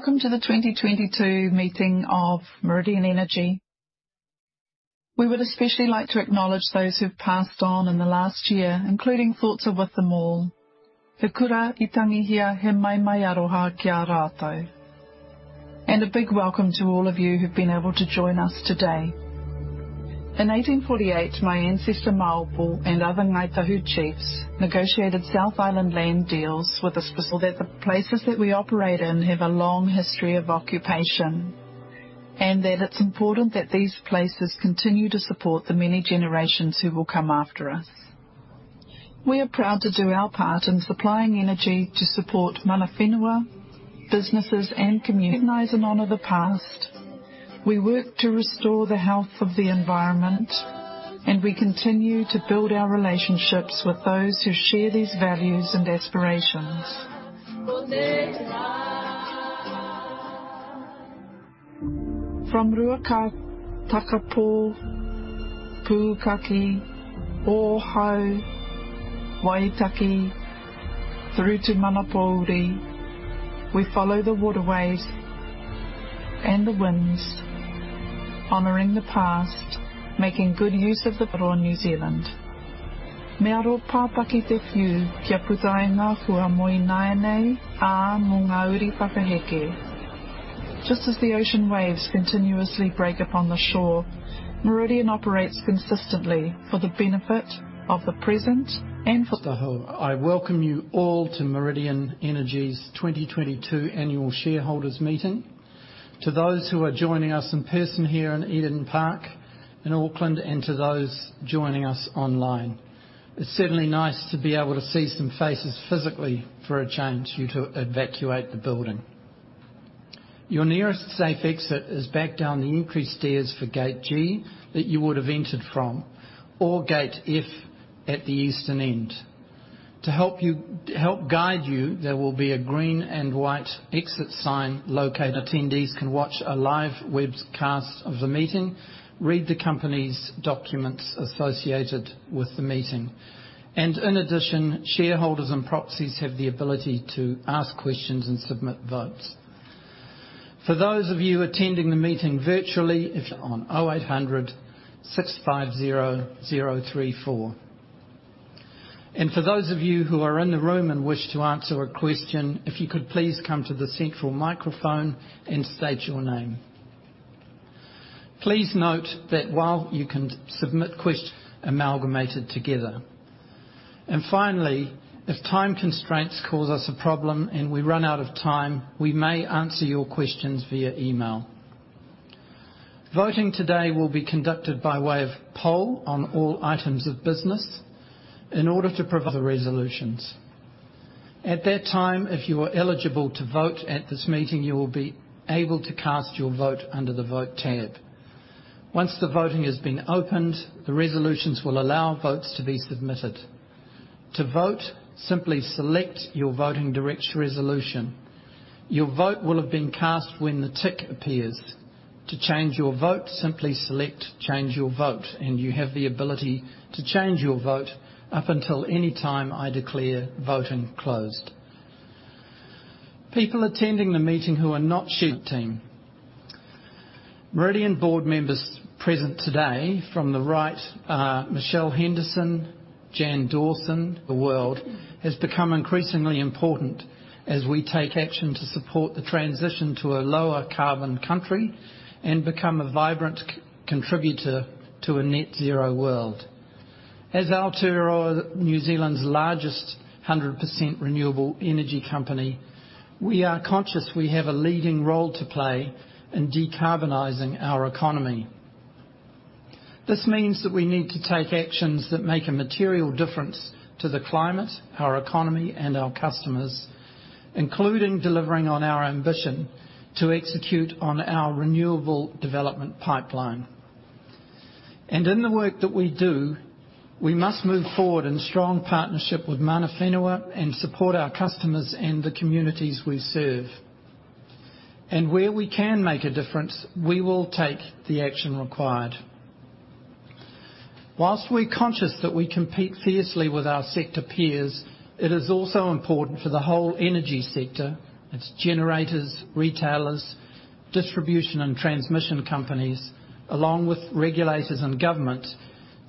Welcome to the 2022 meeting of Meridian Energy. We would especially like to acknowledge those who've passed on in the last year, including thoughts are with them all. A big welcome to all of you who've been able to join us today. In 1848, my ancestor, Maopo, and other Ngāi Tahu chiefs negotiated South Island land deals so that the places that we operate in have a long history of occupation, and that it's important that these places continue to support the many generations who will come after us. We are proud to do our part in supplying energy to support Mana Whenua, businesses, and communities. Recognize and honor the past. We work to restore the health of the environment, and we continue to build our relationships with those who share these values and aspirations. From Ruataniwha, Takapō, Pukaki, Ōhau, Waitaki, through to Manapōuri, we follow the waterways and the winds, honoring the past, making good use of New Zealand. Just as the ocean waves continuously break upon the shore, Meridian operates consistently for the benefit of the present. I welcome you all to Meridian Energy's 2022 annual shareholders' meeting. To those who are joining us in person here in Eden Park in Auckland and to those joining us online. It's certainly nice to be able to see some faces physically for a change. You to evacuate the building. Your nearest safe exit is back down the entrance stairs for Gate G that you would have entered from or Gate F at the eastern end. To help guide you, there will be a green and white exit sign located. Attendees can watch a live webcast of the meeting, read the company's documents associated with the meeting. In addition, shareholders and proxies have the ability to ask questions and submit votes. For those of you attending the meeting virtually, on 0800 650 034. For those of you who are in the room and wish to answer a question, if you could please come to the central microphone and state your name. Please note that while you can submit questions, they will be amalgamated together. Finally, if time constraints cause us a problem, and we run out of time, we may answer your questions via email. Voting today will be conducted by way of poll on all items of business in order to provide the resolutions. At that time, if you are eligible to vote at this meeting, you will be able to cast your vote under the Vote tab. Once the voting has been opened, the resolutions will allow votes to be submitted. To vote, simply select your voting direction resolution. Your vote will have been cast when the tick appears. To change your vote, simply select Change Your Vote, and you have the ability to change your vote up until any time I declare voting closed. People attending the meeting who are not shareholders. Meridian board members present today from the right are Michelle Henderson, Jan Dawson. The world has become increasingly important as we take action to support the transition to a lower carbon country and become a vibrant contributor to a net zero world. As Aotearoa, New Zealand's largest 100% renewable energy company, we are conscious we have a leading role to play in decarbonizing our economy. This means that we need to take actions that make a material difference to the climate, our economy, and our customers, including delivering on our ambition to execute on our renewable development pipeline. In the work that we do, we must move forward in strong partnership with Mana Whenua and support our customers and the communities we serve. Where we can make a difference, we will take the action required. While we're conscious that we compete fiercely with our sector peers, it is also important for the whole energy sector, its generators, retailers, distribution and transmission companies, along with regulators and government,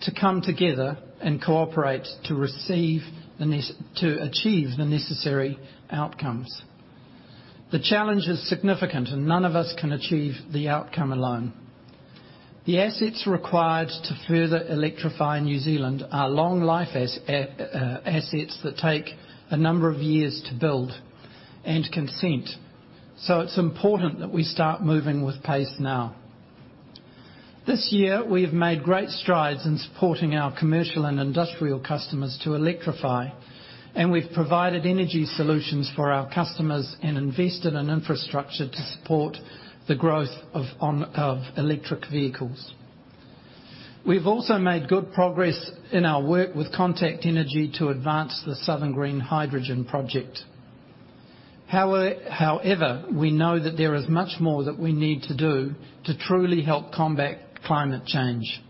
to come together and cooperate to achieve the necessary outcomes. The challenge is significant, and none of us can achieve the outcome alone. The assets required to further electrify New Zealand are long life assets that take a number of years to build and consent. It's important that we start moving with pace now. This year, we have made great strides in supporting our commercial and industrial customers to electrify, and we've provided energy solutions for our customers and invested in infrastructure to support the growth of electric vehicles. We've also made good progress in our work with Contact Energy to advance the Southern Green Hydrogen project. However, we know that there is much more that we need to do to truly help combat climate change.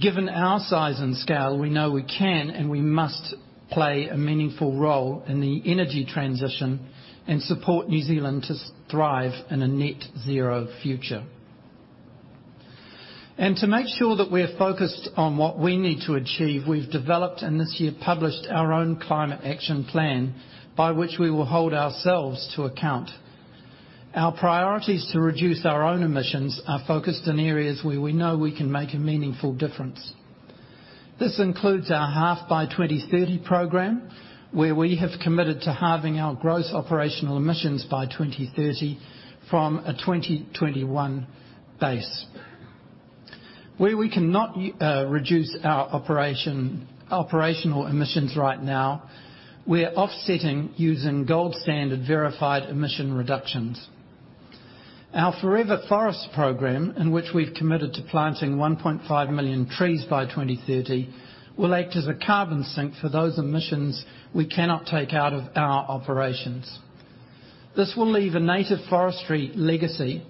Given our size and scale, we know we can, and we must play a meaningful role in the energy transition and support New Zealand to thrive in a net zero future. To make sure that we're focused on what we need to achieve, we've developed and this year published our own climate action plan by which we will hold ourselves to account. Our priorities to reduce our own emissions are focused in areas where we know we can make a meaningful difference. This includes our Half by 2030 program, where we have committed to halving our gross operational emissions by 2030 from a 2021 base. Where we cannot reduce our operational emissions right now, we're offsetting using Gold Standard Verified Emission Reductions. Our Forever Forests program, in which we've committed to planting 1.5 million trees by 2030, will act as a carbon sink for those emissions we cannot take out of our operations. This will leave a native forestry legacy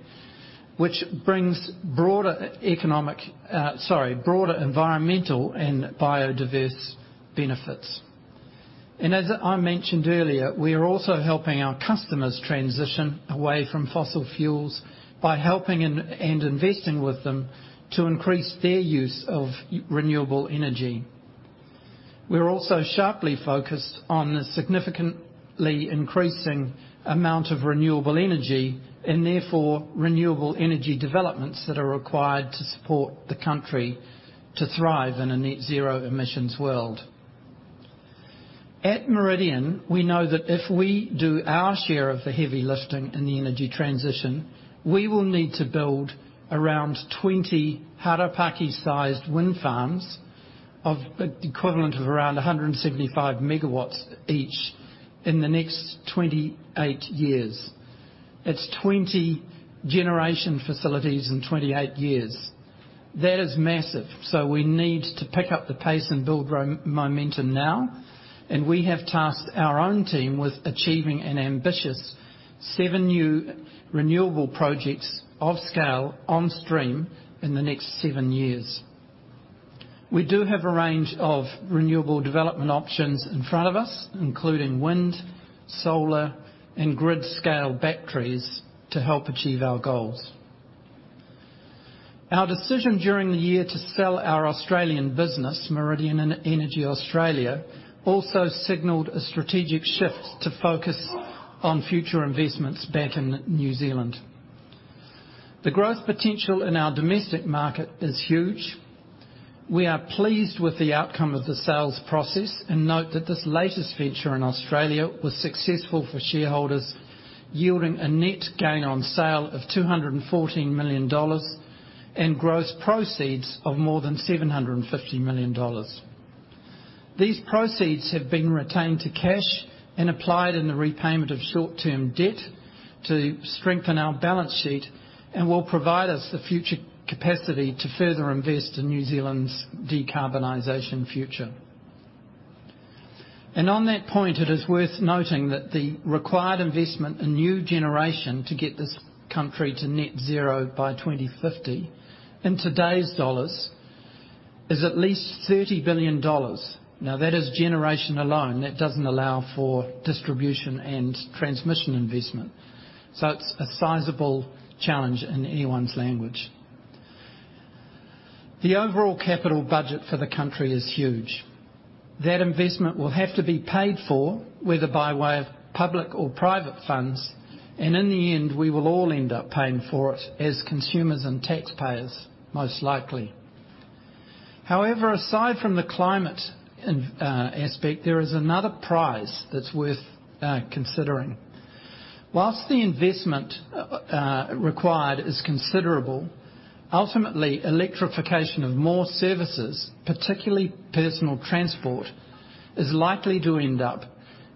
which brings broader environmental and biodiverse benefits. As I mentioned earlier, we are also helping our customers transition away from fossil fuels by helping and investing with them to increase their use of renewable energy. We're also sharply focused on the significantly increasing amount of renewable energy and therefore renewable energy developments that are required to support the country to thrive in a net zero emissions world. At Meridian, we know that if we do our share of the heavy lifting in the energy transition, we will need to build around 20 Harapaki-sized Wind Farms of the equivalent of around 175 MW each in the next 28 years. It's 20 generation facilities in 28 years. That is massive, so we need to pick up the pace and build momentum now, and we have tasked our own team with achieving an ambitious seven new renewable projects of scale on stream in the next 7 years. We do have a range of renewable development options in front of us, including wind, solar, and grid-scale batteries to help achieve our goals. Our decision during the year to sell our Australian business, Meridian Energy Australia, also signaled a strategic shift to focus on future investments back in New Zealand. The growth potential in our domestic market is huge. We are pleased with the outcome of the sales process and note that this latest venture in Australia was successful for shareholders, yielding a net gain on sale of 214 million dollars and gross proceeds of more than 750 million dollars. These proceeds have been retained to cash and applied in the repayment of short-term debt to strengthen our balance sheet and will provide us the future capacity to further invest in New Zealand's decarbonization future. On that point, it is worth noting that the required investment in new generation to get this country to net zero by 2050, in today's dollars, is at least 30 billion dollars. Now, that is generation alone. That doesn't allow for distribution and transmission investment. It's a sizable challenge in anyone's language. The overall capital budget for the country is huge. That investment will have to be paid for, whether by way of public or private funds, and in the end, we will all end up paying for it as consumers and taxpayers, most likely. However, aside from the climate in aspect, there is another prize that's worth considering. Whilst the investment required is considerable, ultimately, electrification of more services, particularly personal transport, is likely to end up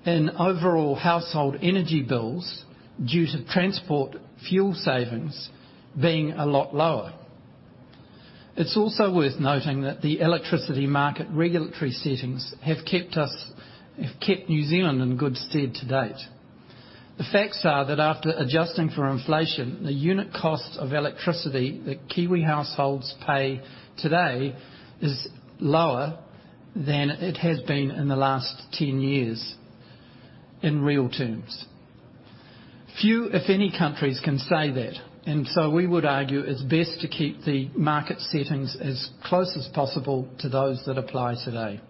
in overall household energy bills due to transport fuel savings being a lot lower. It's also worth noting that the electricity market regulatory settings have kept New Zealand in good stead to date. The facts are that after adjusting for inflation, the unit cost of electricity that Kiwi households pay today is lower than it has been in the last 10 years in real terms. Few, if any, countries can say that, and so we would argue it's best to keep the market settings as close as possible to those that apply today.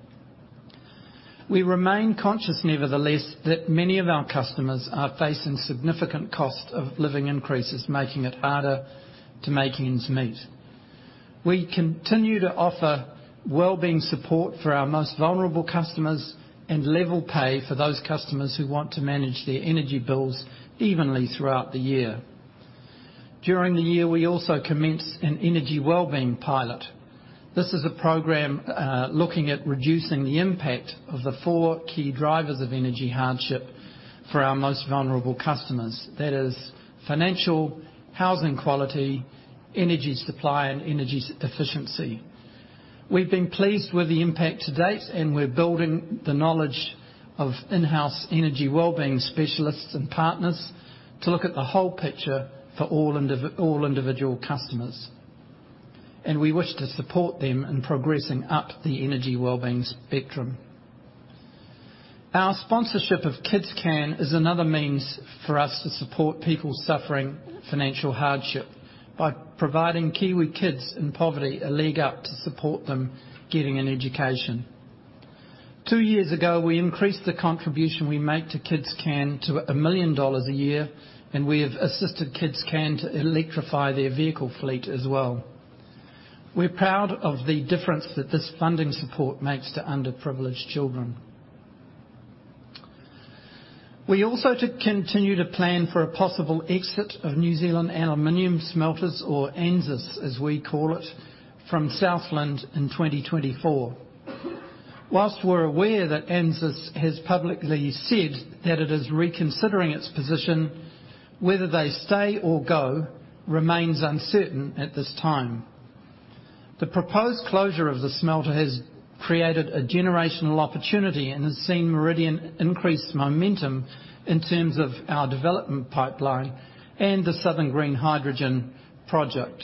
We remain conscious, nevertheless, that many of our customers are facing significant cost of living increases, making it harder to make ends meet. We continue to offer wellbeing support for our most vulnerable customers and level pay for those customers who want to manage their energy bills evenly throughout the year. During the year, we also commenced an energy wellbeing pilot. This is a program looking at reducing the impact of the four key drivers of energy hardship for our most vulnerable customers. That is financial, housing quality, energy supply, and energy efficiency. We've been pleased with the impact to date, and we're building the knowledge of in-house energy well-being specialists and partners to look at the whole picture for all individual customers. We wish to support them in progressing up the energy well-being spectrum. Our sponsorship of KidsCan is another means for us to support people suffering financial hardship by providing Kiwi kids in poverty a leg up to support them getting an education. 2 years ago, we increased the contribution we make to KidsCan to 1 million dollars a year, and we have assisted KidsCan to electrify their vehicle fleet as well. We're proud of the difference that this funding support makes to underprivileged children. We also continue to plan for a possible exit of New Zealand Aluminium Smelters or NZAS, as we call it, from Southland in 2024. While we're aware that NZAS has publicly said that it is reconsidering its position, whether they stay or go remains uncertain at this time. The proposed closure of the smelter has created a generational opportunity and has seen Meridian increase momentum in terms of our development pipeline and the Southern Green Hydrogen project.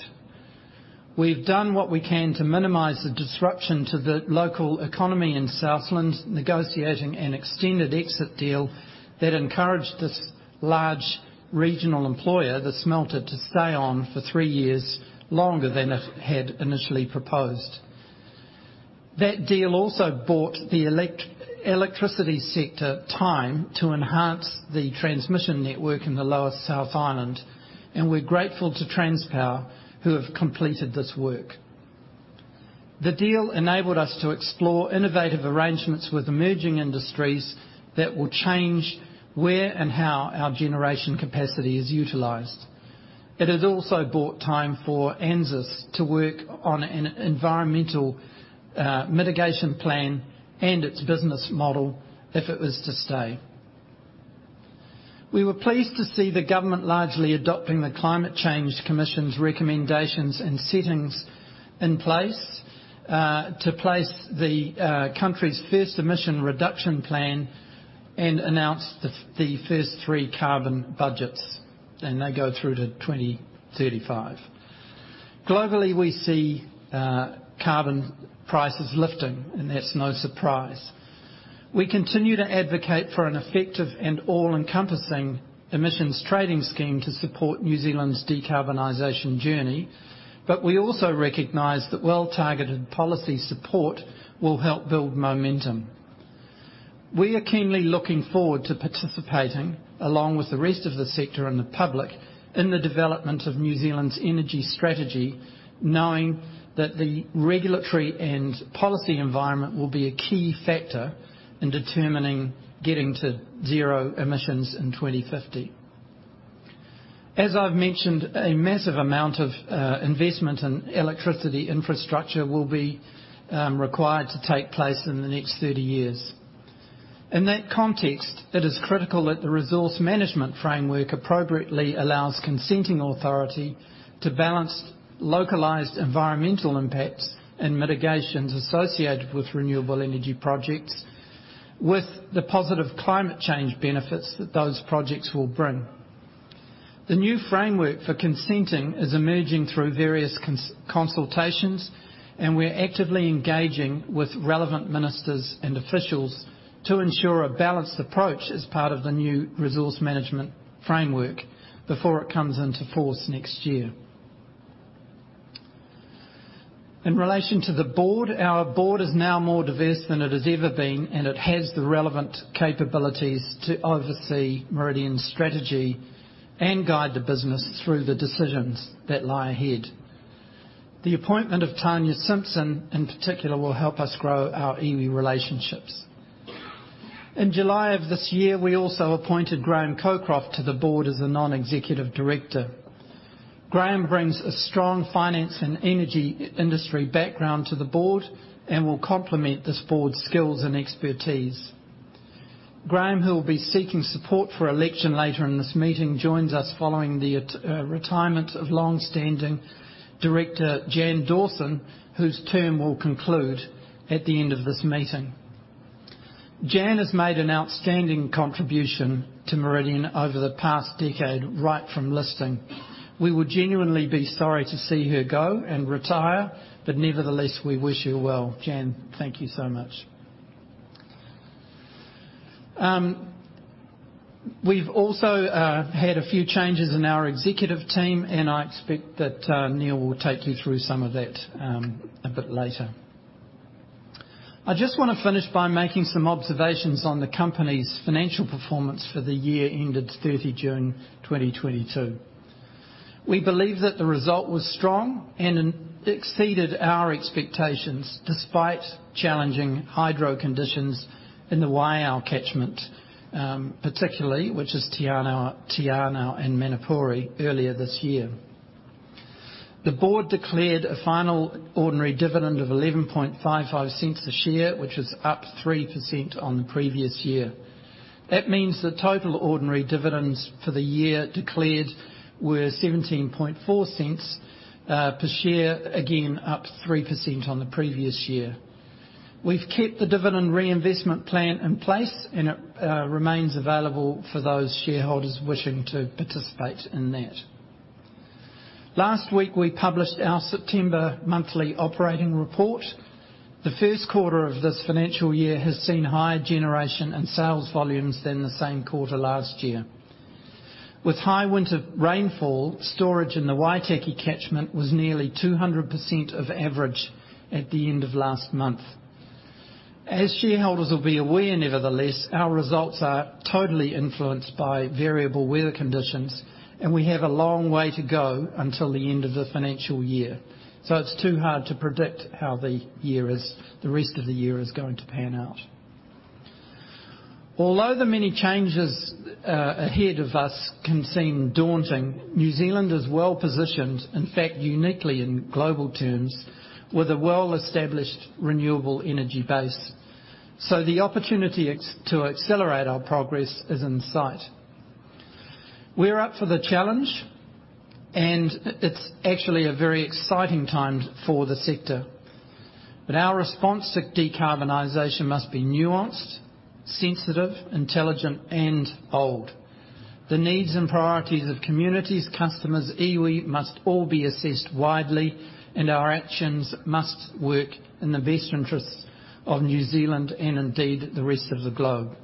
We've done what we can to minimize the disruption to the local economy in Southland, negotiating an extended exit deal that encouraged this large regional employer, the smelter, to stay on for 3 years longer than it had initially proposed. That deal also bought the electricity sector time to enhance the transmission network in the lower South Island, and we're grateful to Transpower who have completed this work. The deal enabled us to explore innovative arrangements with emerging industries that will change where and how our generation capacity is utilized. It has also bought time for NZAS to work on an environmental mitigation plan and its business model if it was to stay. We were pleased to see the government largely adopting the Climate Change Commission's recommendations and setting in place the country's first emission reduction plan and announce the first three carbon budgets, and they go through to 2035. Globally, we see carbon prices lifting, and that's no surprise. We continue to advocate for an effective and all-encompassing emissions trading scheme to support New Zealand's decarbonization journey, but we also recognize that well-targeted policy support will help build momentum. We are keenly looking forward to participating along with the rest of the sector and the public in the development of New Zealand's energy strategy, knowing that the regulatory and policy environment will be a key factor in determining getting to zero emissions in 2050. As I've mentioned, a massive amount of investment and electricity infrastructure will be required to take place in the next 30 years. In that context, it is critical that the resource management framework appropriately allows consenting authority to balance localized environmental impacts and mitigations associated with renewable energy projects with the positive climate change benefits that those projects will bring. The new framework for consenting is emerging through various consultations, and we're actively engaging with relevant ministers and officials to ensure a balanced approach as part of the new resource management framework before it comes into force next year. In relation to the board, our board is now more diverse than it has ever been, and it has the relevant capabilities to oversee Meridian's strategy and guide the business through the decisions that lie ahead. The appointment of Tania Simpson, in particular, will help us grow our iwi relationships. In July of this year, we also appointed Graham Cockroft to the board as a non-executive director. Graham Cockroft brings a strong finance and energy industry background to the board and will complement this board's skills and expertise. Graham Cockroft, who will be seeking support for election later in this meeting, joins us following the retirement of long-standing director Jan Dawson, whose term will conclude at the end of this meeting. Jan has made an outstanding contribution to Meridian over the past decade, right from listing. We would genuinely be sorry to see her go and retire, but nevertheless, we wish her well. Jan, thank you so much. We've also had a few changes in our executive team, and I expect that Neal will take you through some of that a bit later. I just wanna finish by making some observations on the company's financial performance for the year ended 30 June, 2022. We believe that the result was strong and it exceeded our expectations despite challenging hydro conditions in the Waiau catchment, particularly, which is Te Anau and Manapōuri earlier this year. The board declared a final ordinary dividend of 0.1155 this year, which is up 3% on the previous year. That means the total ordinary dividends for the year declared were 0.174 per share, again, up 3% on the previous year. We've kept the dividend reinvestment plan in place, and it remains available for those shareholders wishing to participate in that. Last week, we published our September monthly operating report. The first quarter of this financial year has seen higher generation and sales volumes than the same quarter last year. With high winter rainfall, storage in the Waitaki catchment was nearly 200% of average at the end of last month. As shareholders will be aware, nevertheless, our results are totally influenced by variable weather conditions, and we have a long way to go until the end of the financial year. It's too hard to predict how the rest of the year is going to pan out. Although the many changes ahead of us can seem daunting, New Zealand is well-positioned, in fact, uniquely in global terms, with a well-established renewable energy base. The opportunity to accelerate our progress is in sight. We're up for the challenge, and it's actually a very exciting time for the sector. Our response to decarbonization must be nuanced, sensitive, intelligent, and bold. The needs and priorities of communities, customers, iwi must all be assessed widely, and our actions must work in the best interests of New Zealand and indeed the rest of the globe.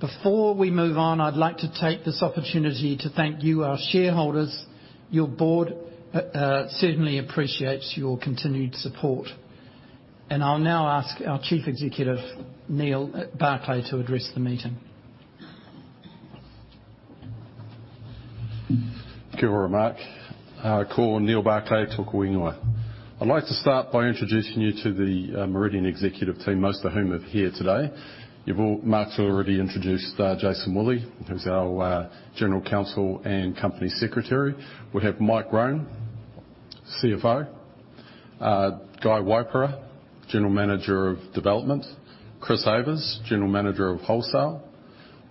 Before we move on, I'd like to take this opportunity to thank you, our shareholders. Your board certainly appreciates your continued support. I'll now ask our Chief Executive, Neal Barclay, to address the meeting. Kia ora, Mark. Ko Neal Barclay tōku ingoa. I'd like to start by introducing you to the Meridian executive team, most of whom are here today. Mark's already introduced Jason Woolley, who's our General Counsel and Company Secretary. We have Mike Roan, CFO, Guy Waipara, General Manager of Development, Chris Ewers, General Manager of Wholesale,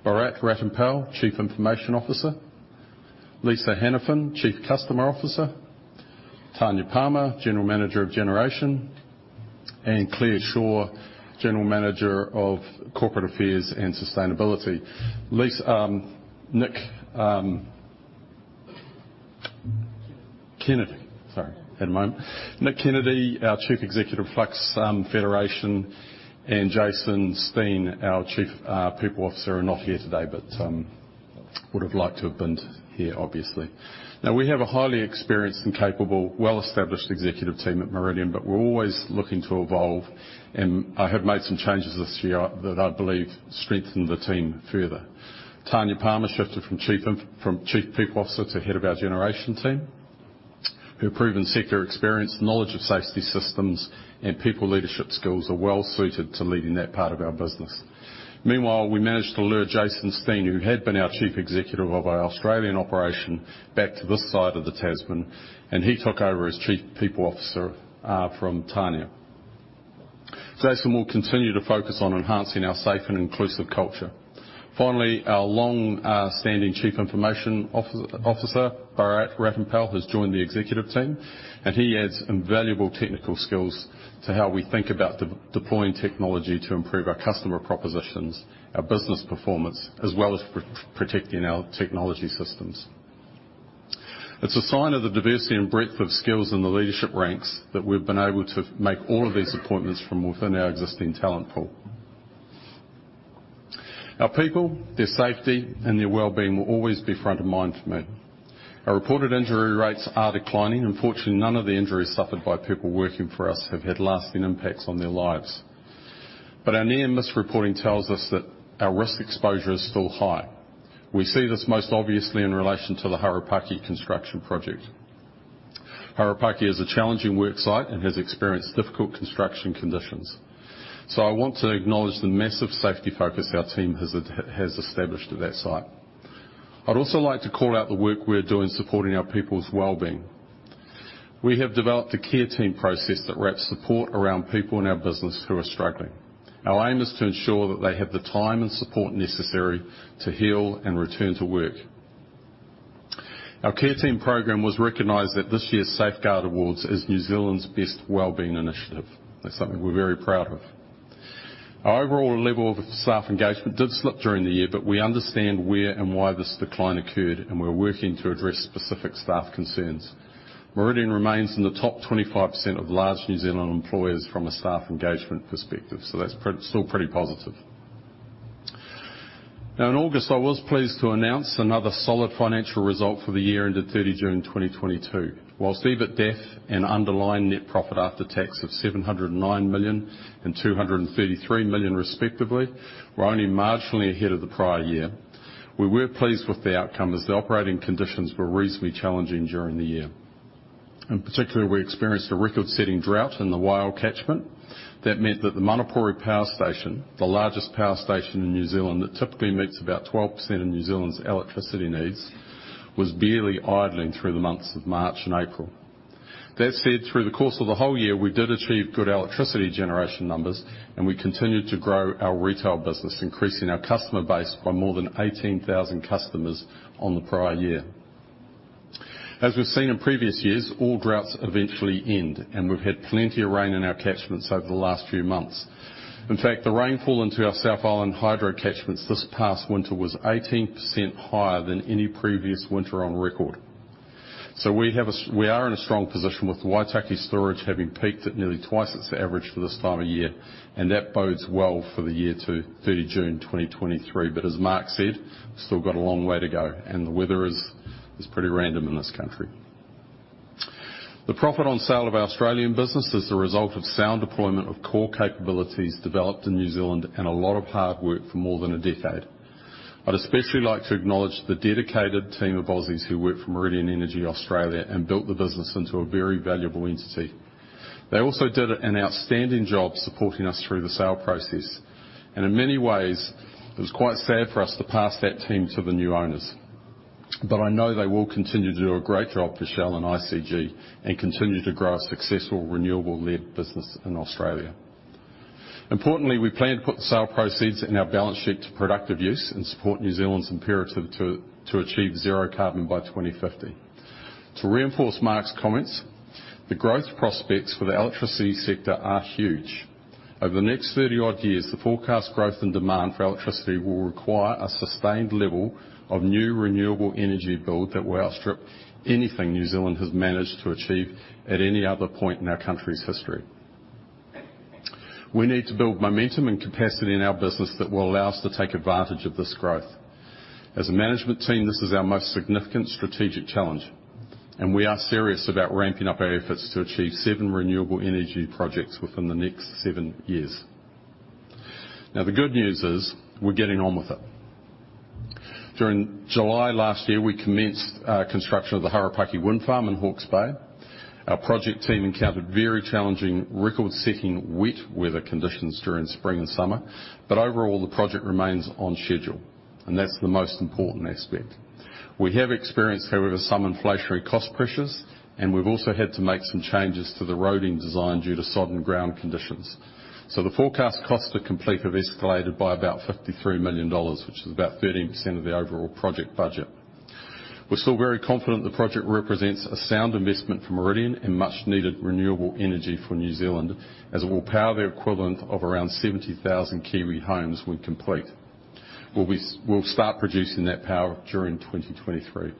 Bharat Ratanpal, Chief Information Officer, Lisa Hannifin, Chief Customer Officer, Tania Palmer, General Manager of Generation, and Claire Shaw, General Manager of Corporate Affairs and Sustainability. Lastly, Nic Kennedy, our Chief Executive, Flux Federation, and Jason Stein, our Chief People Officer, are not here today, but would have liked to have been here obviously. Now, we have a highly experienced and capable, well-established executive team at Meridian, but we're always looking to evolve, and I have made some changes this year that I believe strengthen the team further. Tania Palmer shifted from Chief People Officer to head of our generation team, whose proven sector experience, knowledge of safety systems, and people leadership skills are well suited to leading that part of our business. Meanwhile, we managed to lure Jason Stein, who had been our Chief Executive of our Australian operation, back to this side of the Tasman, and he took over as Chief People Officer from Tania. Jason will continue to focus on enhancing our safe and inclusive culture. Finally, our long-standing Chief Information Officer, Bharat Ratanpal, has joined the executive team, and he adds invaluable technical skills to how we think about deploying technology to improve our customer propositions, our business performance, as well as protecting our technology systems. It's a sign of the diversity and breadth of skills in the leadership ranks that we've been able to make all of these appointments from within our existing talent pool. Our people, their safety, and their wellbeing will always be front of mind for me. Our reported injury rates are declining. Unfortunately, none of the injuries suffered by people working for us have had lasting impacts on their lives. Our near-miss reporting tells us that our risk exposure is still high. We see this most obviously in relation to the Harapaki construction project. Harapaki is a challenging work site and has experienced difficult construction conditions. I want to acknowledge the massive safety focus our team has established at that site. I'd also like to call out the work we're doing supporting our people's well-being. We have developed a care team process that wraps support around people in our business who are struggling. Our aim is to ensure that they have the time and support necessary to heal and return to work. Our care team program was recognized at this year's Safeguard Awards as New Zealand's Best Well-Being Initiative. That's something we're very proud of. Our overall level of staff engagement did slip during the year, but we understand where and why this decline occurred, and we're working to address specific staff concerns. Meridian remains in the top 25% of large New Zealand employers from a staff engagement perspective, so that's still pretty positive. Now, in August, I was pleased to announce another solid financial result for the year ended 30th June, 2022, while EBITDA and underlying net profit after tax of 709 million and 233 million respectively were only marginally ahead of the prior year. We were pleased with the outcome as the operating conditions were reasonably challenging during the year. In particular, we experienced a record-setting drought in the Waiau catchment. That meant that the Manapouri Power Station, the largest power station in New Zealand that typically meets about 12% of New Zealand's electricity needs, was barely idling through the months of March and April. That said, through the course of the whole year, we did achieve good electricity generation numbers, and we continued to grow our retail business, increasing our customer base by more than 18,000 customers on the prior year. As we've seen in previous years, all droughts eventually end, and we've had plenty of rain in our catchments over the last few months. In fact, the rainfall into our South Island hydro catchments this past winter was 18% higher than any previous winter on record. We are in a strong position with Waitaki storage having peaked at nearly twice its average for this time of year, and that bodes well for the year to 30th June, 2023. As Mark said, still got a long way to go, and the weather is pretty random in this country. The profit on sale of our Australian business is the result of sound deployment of core capabilities developed in New Zealand and a lot of hard work for more than a decade. I'd especially like to acknowledge the dedicated team of Aussies who work for Meridian Energy Australia and built the business into a very valuable entity. They also did an outstanding job supporting us through the sale process. In many ways, it was quite sad for us to pass that team to the new owners. I know they will continue to do a great job for Shell and ICG and continue to grow a successful renewable-led business in Australia. Importantly, we plan to put the sale proceeds in our balance sheet to productive use and support New Zealand's imperative to achieve zero carbon by 2050. To reinforce Mark's comments, the growth prospects for the electricity sector are huge. Over the next 30-odd years, the forecast growth and demand for electricity will require a sustained level of new renewable energy build that will outstrip anything New Zealand has managed to achieve at any other point in our country's history. We need to build momentum and capacity in our business that will allow us to take advantage of this growth. As a management team, this is our most significant strategic challenge, and we are serious about ramping up our efforts to achieve seven renewable energy projects within the next 7 years. Now, the good news is, we're getting on with it. During July last year, we commenced construction of the Harapaki Wind Farm in Hawke's Bay. Our project team encountered very challenging, record-setting wet weather conditions during spring and summer. Overall, the project remains on schedule, and that's the most important aspect. We have experienced, however, some inflationary cost pressures, and we've also had to make some changes to the roading design due to sodden ground conditions. The forecast costs to complete have escalated by about 53 million dollars, which is about 13% of the overall project budget. We're still very confident the project represents a sound investment for Meridian and much-needed renewable energy for New Zealand as it will power the equivalent of around 70,000 Kiwi homes when complete. We'll start producing that power during 2023.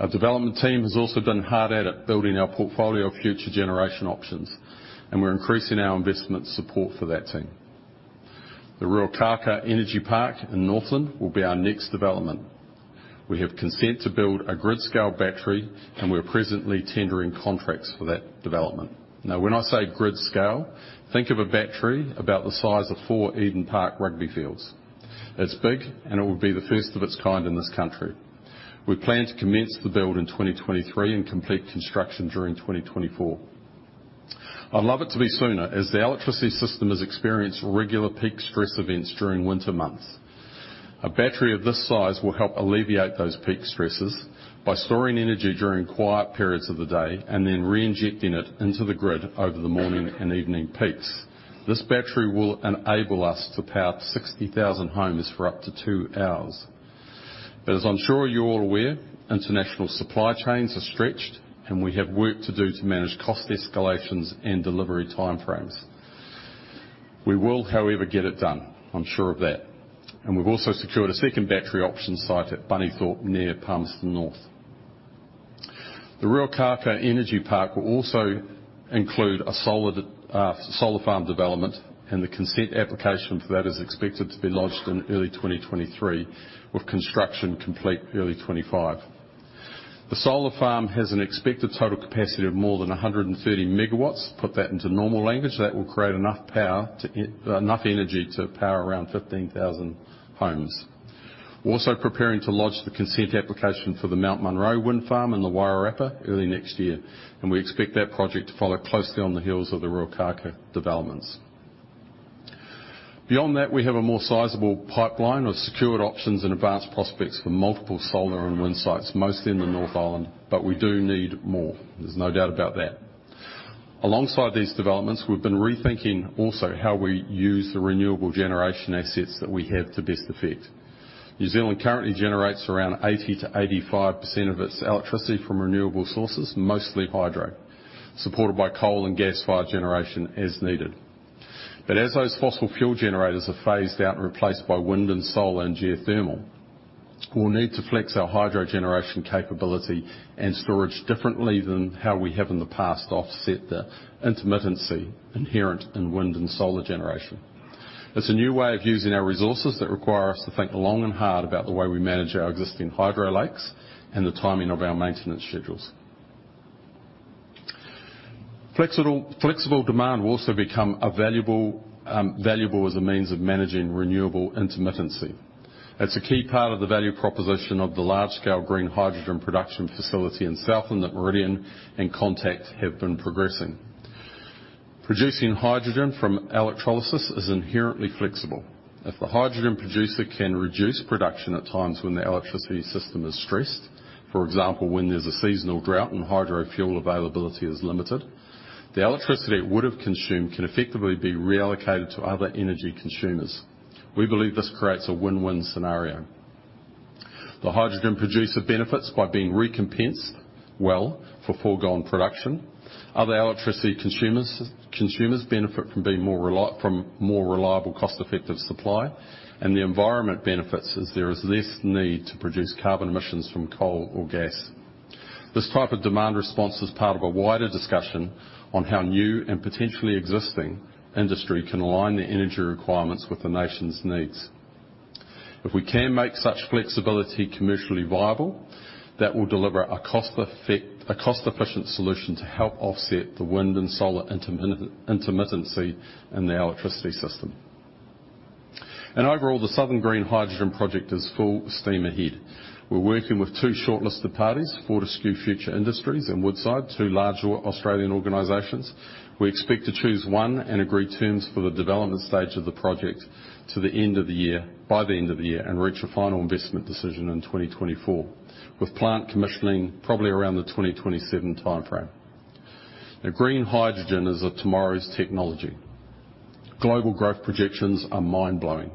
Our development team has also been hard at it, building our portfolio of future generation options, and we're increasing our investment support for that team. The Ruakaka Energy Park in Northland will be our next development. We have consent to build a grid-scale battery, and we're presently tendering contracts for that development. Now, when I say grid scale, think of a battery about the size of four Eden Park rugby fields. It's big, and it will be the first of its kind in this country. We plan to commence the build in 2023 and complete construction during 2024. I'd love it to be sooner as the electricity system has experienced regular peak stress events during winter months. A battery of this size will help alleviate those peak stresses by storing energy during quiet periods of the day and then reinjecting it into the grid over the morning and evening peaks. This battery will enable us to power 60,000 homes for up to 2 hours. As I'm sure you're all aware, international supply chains are stretched, and we have work to do to manage cost escalations and delivery time frames. We will, however, get it done. I'm sure of that. We've also secured a second battery option site at Bunnythorpe, near Palmerston North. The Ruakaka Energy Park will also include a solar farm development, and the consent application for that is expected to be lodged in early 2023, with construction complete early 2025. The solar farm has an expected total capacity of more than 130 MW. Put that into normal language, that will create enough energy to power around 15,000 homes. We're also preparing to lodge the consent application for the Mount Munro Wind Farm in the Wairarapa early next year, and we expect that project to follow closely on the heels of the Ruakaka developments. Beyond that, we have a more sizable pipeline of secured options and advanced prospects for multiple solar and wind sites, mostly in the North Island, but we do need more. There's no doubt about that. Alongside these developments, we've been rethinking also how we use the renewable generation assets that we have to best effect. New Zealand currently generates around 80%-85% of its electricity from renewable sources, mostly hydro, supported by coal and gas-fired generation as needed. As those fossil fuel generators are phased out and replaced by wind and solar and geothermal, we'll need to flex our hydro generation capability and storage differently than how we have in the past offset the intermittency inherent in wind and solar generation. It's a new way of using our resources that require us to think long and hard about the way we manage our existing hydro lakes and the timing of our maintenance schedules. Flexible demand will also become a valuable as a means of managing renewable intermittency. It's a key part of the value proposition of the large-scale green hydrogen production facility in Southland that Meridian and Contact have been progressing. Producing hydrogen from electrolysis is inherently flexible. If the hydrogen producer can reduce production at times when the electricity system is stressed, for example, when there's a seasonal drought and hydro fuel availability is limited, the electricity it would have consumed can effectively be reallocated to other energy consumers. We believe this creates a win-win scenario. The hydrogen producer benefits by being recompensed well for foregone production. Other electricity consumers benefit from more reliable, cost-effective supply, and the environment benefits as there is less need to produce carbon emissions from coal or gas. This type of demand response is part of a wider discussion on how new and potentially existing industry can align their energy requirements with the nation's needs. If we can make such flexibility commercially viable, that will deliver a cost-efficient solution to help offset the wind and solar intermittency in the electricity system. Overall, the Southern Green Hydrogen project is full steam ahead. We're working with two shortlisted parties, Fortescue Future Industries and Woodside, two large Australian organizations. We expect to choose one and agree terms for the development stage of the project by the end of the year, and reach a final investment decision in 2024, with plant commissioning probably around the 2027 timeframe. Now, green hydrogen is of tomorrow's technology. Global growth projections are mind-blowing.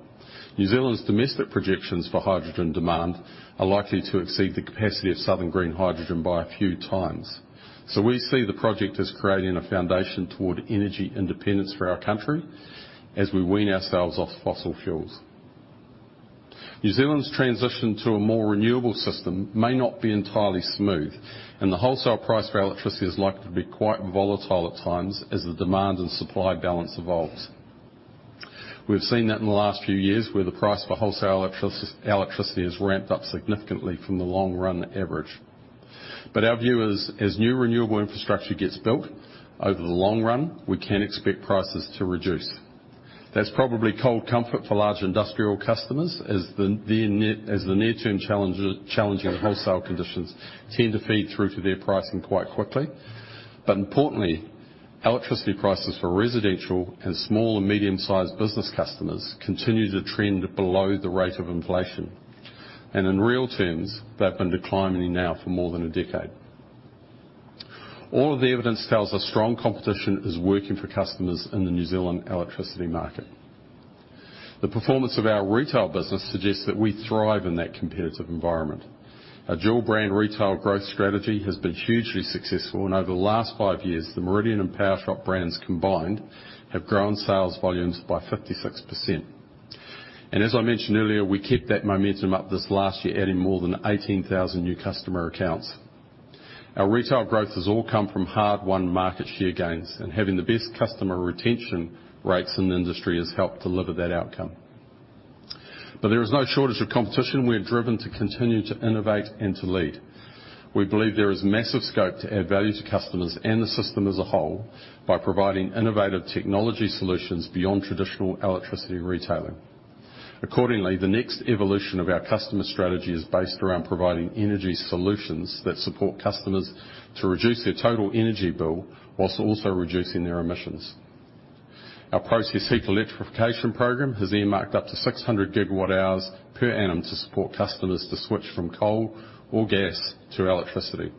New Zealand's domestic projections for hydrogen demand are likely to exceed the capacity of Southern Green Hydrogen by a few times. We see the project as creating a foundation toward energy independence for our country as we wean ourselves off fossil fuels. New Zealand's transition to a more renewable system may not be entirely smooth, and the wholesale price for our electricity is likely to be quite volatile at times as the demand and supply balance evolves. We've seen that in the last few years, where the price for wholesale electricity has ramped up significantly from the long run average. Our view is, as new renewable infrastructure gets built over the long run, we can expect prices to reduce. That's probably cold comfort for large industrial customers as the near-term challenge of wholesale conditions tend to feed through to their pricing quite quickly. Importantly, electricity prices for residential and small- and medium-sized business customers continue to trend below the rate of inflation. In real terms, they've been declining now for more than a decade. All of the evidence tells us strong competition is working for customers in the New Zealand electricity market. The performance of our retail business suggests that we thrive in that competitive environment. Our dual brand retail growth strategy has been hugely successful, and over the last 5 years, the Meridian and Powershop brands combined have grown sales volumes by 56%. As I mentioned earlier, we kept that momentum up this last year, adding more than 18,000 new customer accounts. Our retail growth has all come from hard-won market share gains, and having the best customer retention rates in the industry has helped deliver that outcome. There is no shortage of competition. We're driven to continue to innovate and to lead. We believe there is massive scope to add value to customers and the system as a whole by providing innovative technology solutions beyond traditional electricity retailing. Accordingly, the next evolution of our customer strategy is based around providing energy solutions that support customers to reduce their total energy bill whilst also reducing their emissions. Our Process Heat Electrification program has earmarked up to 600 GWh per annum to support customers to switch from coal or gas to electricity.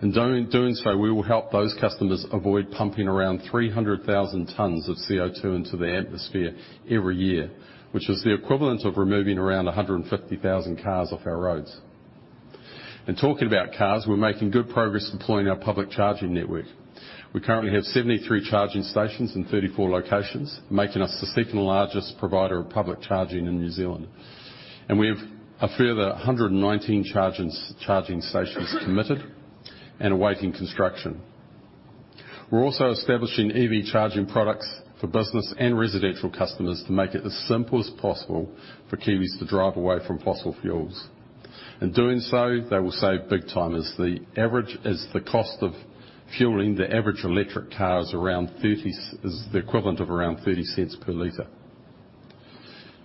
In doing so, we will help those customers avoid pumping around 300,000 tons of CO2 into the atmosphere every year, which is the equivalent of removing around 150,000 cars off our roads. In talking about cars, we're making good progress deploying our public charging network. We currently have 73 charging stations in 34 locations, making us the second-largest provider of public charging in New Zealand. We have a further 119 charging stations committed and awaiting construction. We're also establishing EV charging products for business and residential customers to make it as simple as possible for Kiwis to drive away from fossil fuels. In doing so, they will save big time as the cost of fueling the average electric car is the equivalent of around 0.30 per L.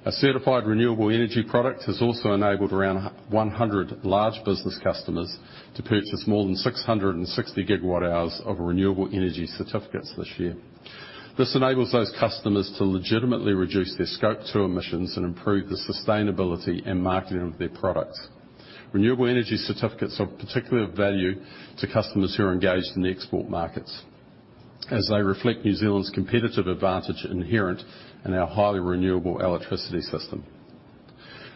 A certified renewable energy product has also enabled around 100 large business customers to purchase more than 660 GWh of Renewable Energy Certificates this year. This enables those customers to legitimately reduce their Scope two emissions and improve the sustainability and marketing of their products. Renewable Energy Certificates are of particular value to customers who are engaged in the export markets, as they reflect New Zealand's competitive advantage inherent in our highly renewable electricity system.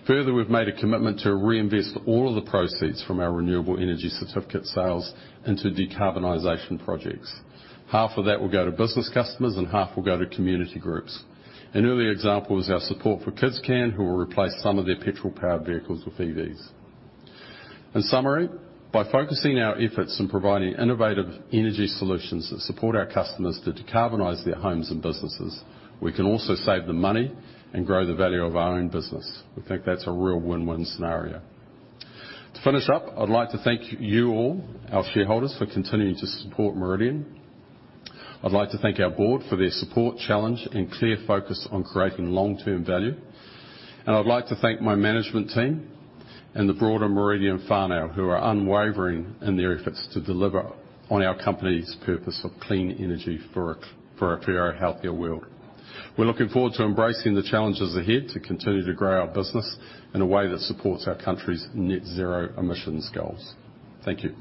Further, we've made a commitment to reinvest all of the proceeds from our Renewable Energy Certificates sales into decarbonization projects. Half of that will go to business customers, and half will go to community groups. An early example is our support for KidsCan, who will replace some of their petrol-powered vehicles with EVs. In summary, by focusing our efforts in providing innovative energy solutions that support our customers to decarbonize their homes and businesses, we can also save them money and grow the value of our own business. We think that's a real win-win scenario. To finish up, I'd like to thank you all, our shareholders, for continuing to support Meridian. I'd like to thank our board for their support, challenge, and clear focus on creating long-term value. I'd like to thank my management team. The broader Meridian whānau who are unwavering in their efforts to deliver on our company's purpose of clean energy for a fairer, healthier world. We're looking forward to embracing the challenges ahead to continue to grow our business in a way that supports our country's net zero emissions goals. Thank you.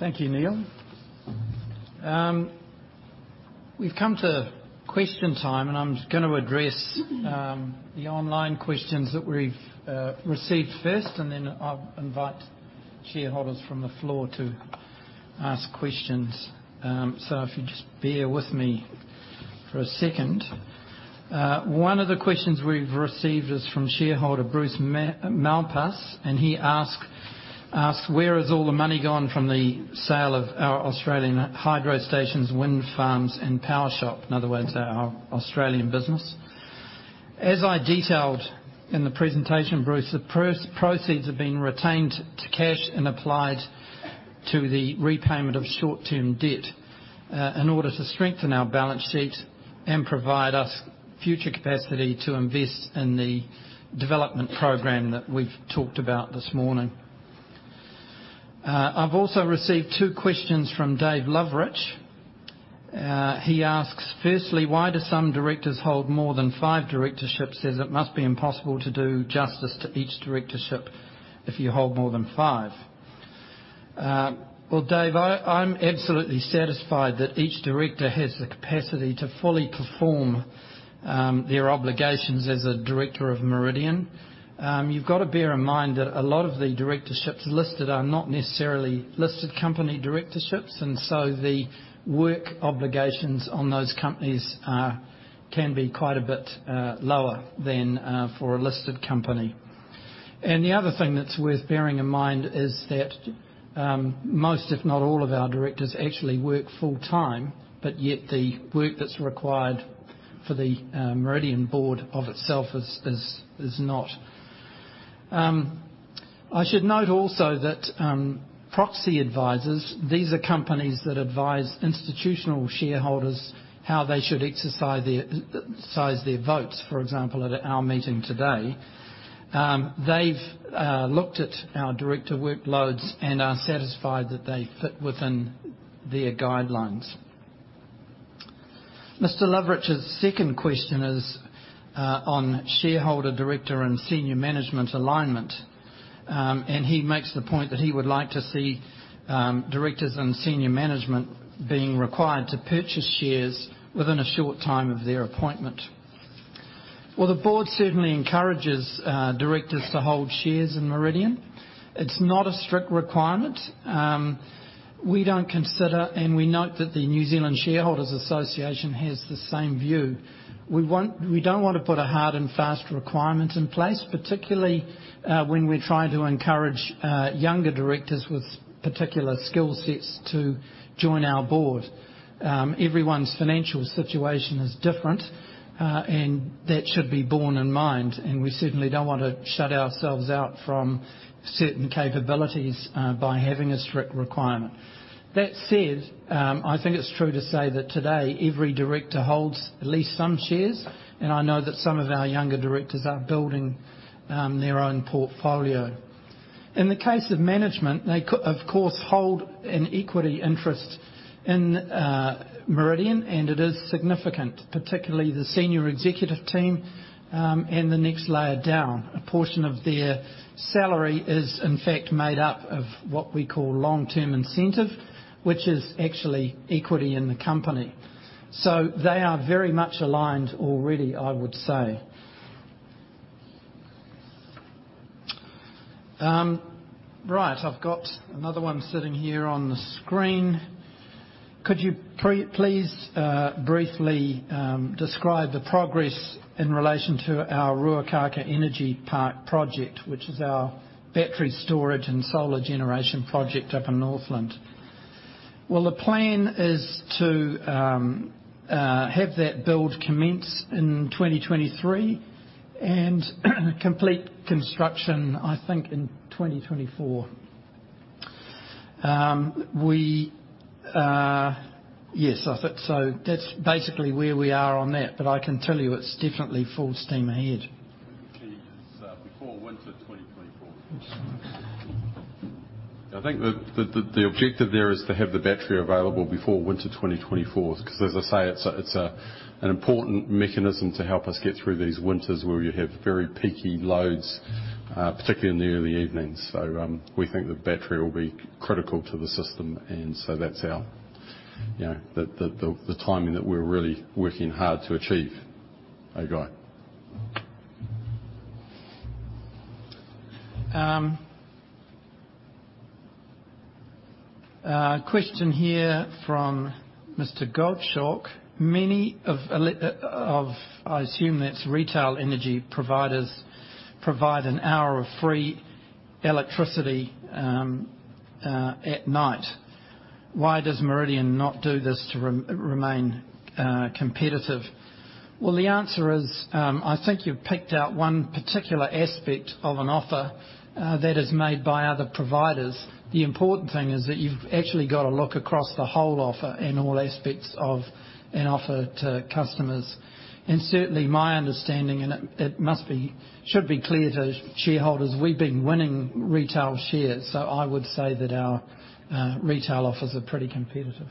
Thank you, Neal. We've come to question time, and I'm just gonna address the online questions that we've received first, and then I'll invite shareholders from the floor to ask questions. So if you just bear with me for a second. One of the questions we've received is from shareholder Bruce Malpas, and he asks, "Where has all the money gone from the sale of our Australian hydro stations, wind farms and Powershop?" In other words, our Australian business. As I detailed in the presentation, Bruce, the proceeds have been retained as cash and applied to the repayment of short-term debt, in order to strengthen our balance sheet and provide us future capacity to invest in the development program that we've talked about this morning. I've also received two questions from Dave Loveridge. He asks, firstly, "Why do some directors hold more than five directorships, as it must be impossible to do justice to each directorship if you hold more than five?" Well, Dave, I'm absolutely satisfied that each director has the capacity to fully perform their obligations as a director of Meridian. You've got to bear in mind that a lot of the directorships listed are not necessarily listed company directorships, and so the work obligations on those companies can be quite a bit lower than for a listed company. The other thing that's worth bearing in mind is that most, if not all, of our directors actually work full-time, but yet the work that's required for the Meridian board itself is not. I should note also that, proxy advisors, these are companies that advise institutional shareholders how they should exercise their votes, for example, at our meeting today. They've looked at our director workloads and are satisfied that they fit within their guidelines. Mr. Loveridge's second question is on shareholder, director, and senior management alignment. He makes the point that he would like to see, directors and senior management being required to purchase shares within a short time of their appointment. Well, the board certainly encourages, directors to hold shares in Meridian. It's not a strict requirement. We don't consider, and we note that the New Zealand Shareholders' Association has the same view. We don't want to put a hard and fast requirement in place, particularly, when we're trying to encourage younger directors with particular skill sets to join our board. Everyone's financial situation is different, and that should be borne in mind, and we certainly don't want to shut ourselves out from certain capabilities by having a strict requirement. That said, I think it's true to say that today, every director holds at least some shares, and I know that some of our younger directors are building their own portfolio. In the case of management, they, of course, hold an equity interest in Meridian, and it is significant, particularly the senior executive team, and the next layer down. A portion of their salary is, in fact, made up of what we call long-term incentive, which is actually equity in the company. They are very much aligned already, I would say. I've got another one sitting here on the screen. Could you please briefly describe the progress in relation to our Ruakaka Energy Park project, which is our battery storage and solar generation project up in Northland? Well, the plan is to have that build commence in 2023 and complete construction, I think, in 2024. Yes, I think so. That's basically where we are on that, but I can tell you it's definitely full steam ahead. The key is before winter 2024. I think the objective there is to have the battery available before winter 2024, because as I say, it's an important mechanism to help us get through these winters where you have very peaky loads, particularly in the early evenings. We think the battery will be critical to the system and so that's our, you know, the timing that we're really working hard to achieve. Over to you. A question here from Mr. Gouldstuck. Many of, I assume that's retail energy providers, provide an hour of free electricity at night. Why does Meridian not do this to remain competitive? Well, the answer is, I think you've picked out one particular aspect of an offer that is made by other providers. The important thing is that you've actually got to look across the whole offer and all aspects of an offer to customers. Certainly, my understanding, it should be clear to shareholders, we've been winning retail shares. I would say that our retail offers are pretty competitive.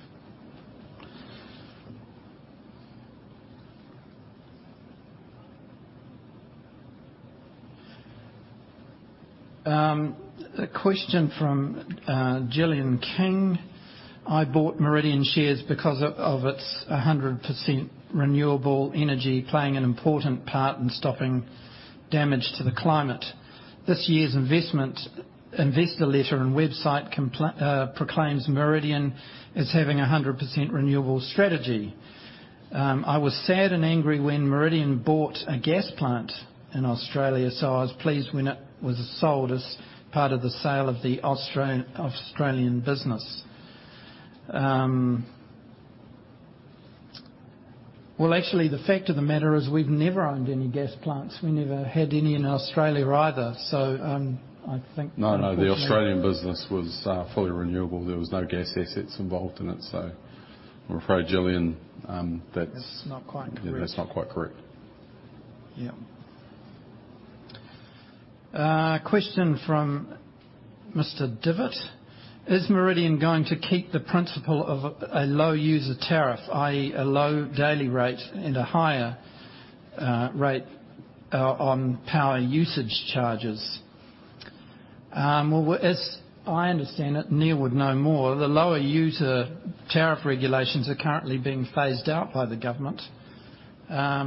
A question from Gillian King. I bought Meridian shares because of its 100% renewable energy playing an important part in stopping damage to the climate. This year's investor letter and website proclaims Meridian as having a 100% renewable strategy. I was sad and angry when Meridian bought a gas plant in Australia, so I was pleased when it was sold as part of the sale of the Australian business. Well, actually, the fact of the matter is, we've never owned any gas plants. We never had any in Australia either. I think. No, no, the Australian business was fully renewable. There was no gas assets involved in it. I'm afraid, Gillian, that's. That's not quite correct. Yeah, that's not quite correct. Yeah. Question from Mr. Diver. Is Meridian going to keep the principle of a low-user tariff, i.e., a low daily rate and a higher rate on power usage charges? Well, as I understand it, Neal would know more. The low-user tariff regulations are currently being phased out by the government. I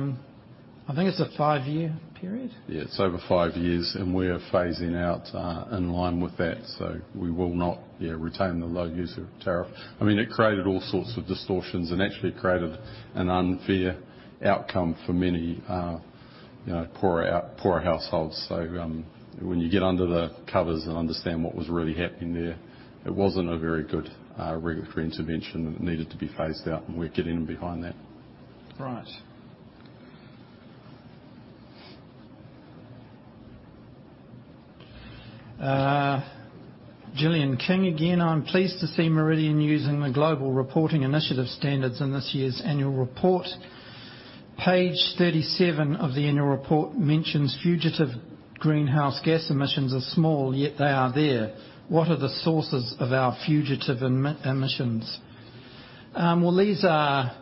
think it's a 5-year period. Yeah, it's over 5 years, and we're phasing out in line with that. We will not retain the low-user tariff. I mean, it created all sorts of distortions and actually created an unfair outcome for many, you know, poorer households. When you get under the covers and understand what was really happening there, it wasn't a very good regulatory intervention that needed to be phased out, and we're getting in behind that. Right. Gillian King again. I'm pleased to see Meridian using the Global Reporting Initiative standards in this year's annual report. Page 37 of the annual report mentions fugitive greenhouse gas emissions are small, yet they are there. What are the sources of our fugitive emissions? Well, these are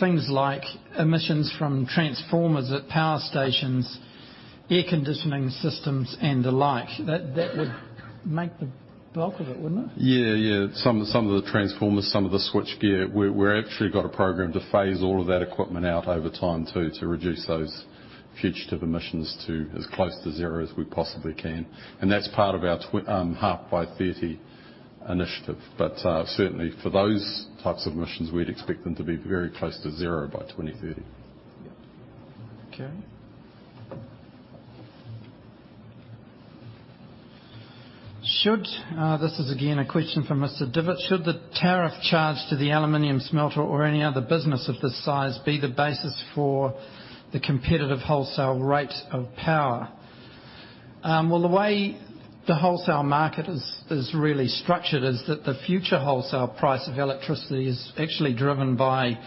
things like emissions from transformers at power stations, air conditioning systems and the like. That would make the bulk of it, wouldn't it? Yeah, yeah. Some of the transformers, some of the switchgear. We're actually got a program to phase all of that equipment out over time too, to reduce those fugitive emissions to as close to zero as we possibly can. That's part of our half by 2030 initiative. Certainly for those types of emissions, we'd expect them to be very close to zero by 2030. This is again a question from Mr. Diver. Should the tariff charge to the aluminum smelter or any other business of this size be the basis for the competitive wholesale rate of power? Well, the way the wholesale market is really structured is that the future wholesale price of electricity is actually driven by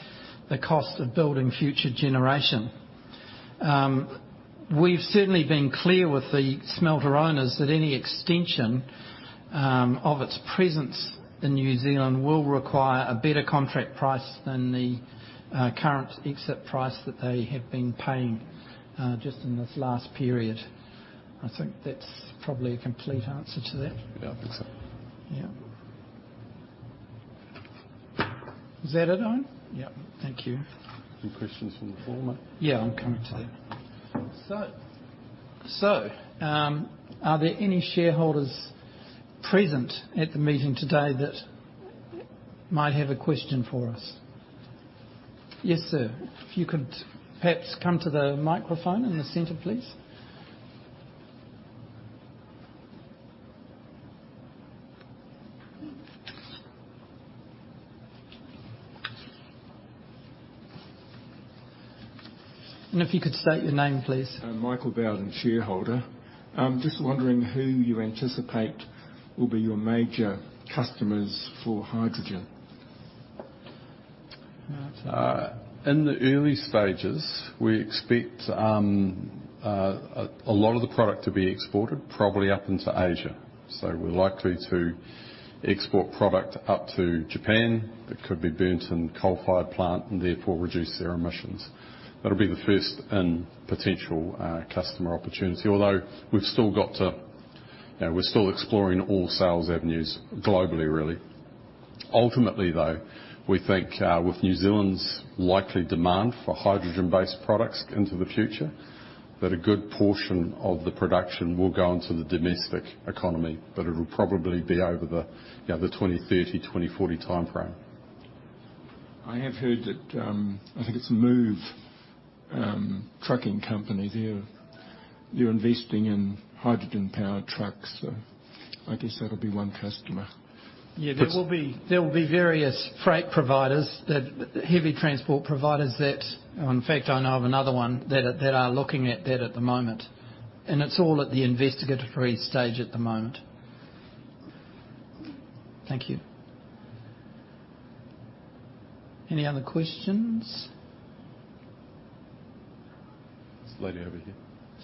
the cost of building future generation. We've certainly been clear with the smelter owners that any extension of its presence in New Zealand will require a better contract price than the current exit price that they have been paying just in this last period. I think that's probably a complete answer to that. Yeah, I think so. Yeah. Is that it, Owen? Yep. Thank you. Any questions from the floor, mate? Yeah, I'm coming to that. Are there any shareholders present at the meeting today that might have a question for us? Yes, sir. If you could perhaps come to the microphone in the center, please. If you could state your name, please. Michael Bowden, Shareholder. I'm just wondering who you anticipate will be your major customers for hydrogen. In the early stages, we expect a lot of the product to be exported, probably up into Asia. We're likely to export product up to Japan that could be burned in coal-fired plant and therefore reduce their emissions. That'll be the first in potential customer opportunity. Although we've still got to, you know, we're still exploring all sales avenues globally, really. Ultimately, though, we think with New Zealand's likely demand for hydrogen-based products into the future, that a good portion of the production will go into the domestic economy. It'll probably be over the, you know, the 2030, 2040 timeframe. I have heard that, I think it's MOVe Logistics trucking company. They're investing in hydrogen-powered trucks. I guess that'll be one customer. Yeah. There will be various heavy transport providers that, in fact, I know of another one that are looking at that at the moment, and it's all at the investigatory stage at the moment. Thank you. Any other questions? This lady over here.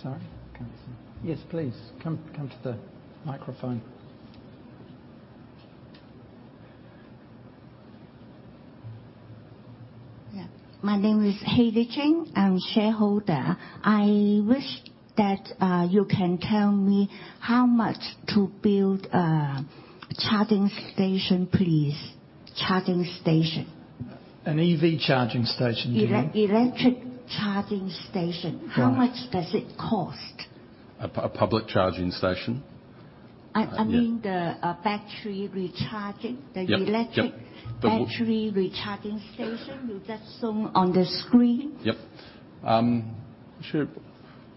Sorry. Can you see? Yes, please come to the microphone. Yeah. My name is Hayley Ching. I'm shareholder. I wish that you can tell me how much to build a charging station please. Charging station. An EV charging station, do you mean? Electric charging station. Right. How much does it cost? A public charging station? Yeah. I mean the battery recharging. Yep. Yep. The electric battery recharging station we just saw on the screen. Yep. Sure.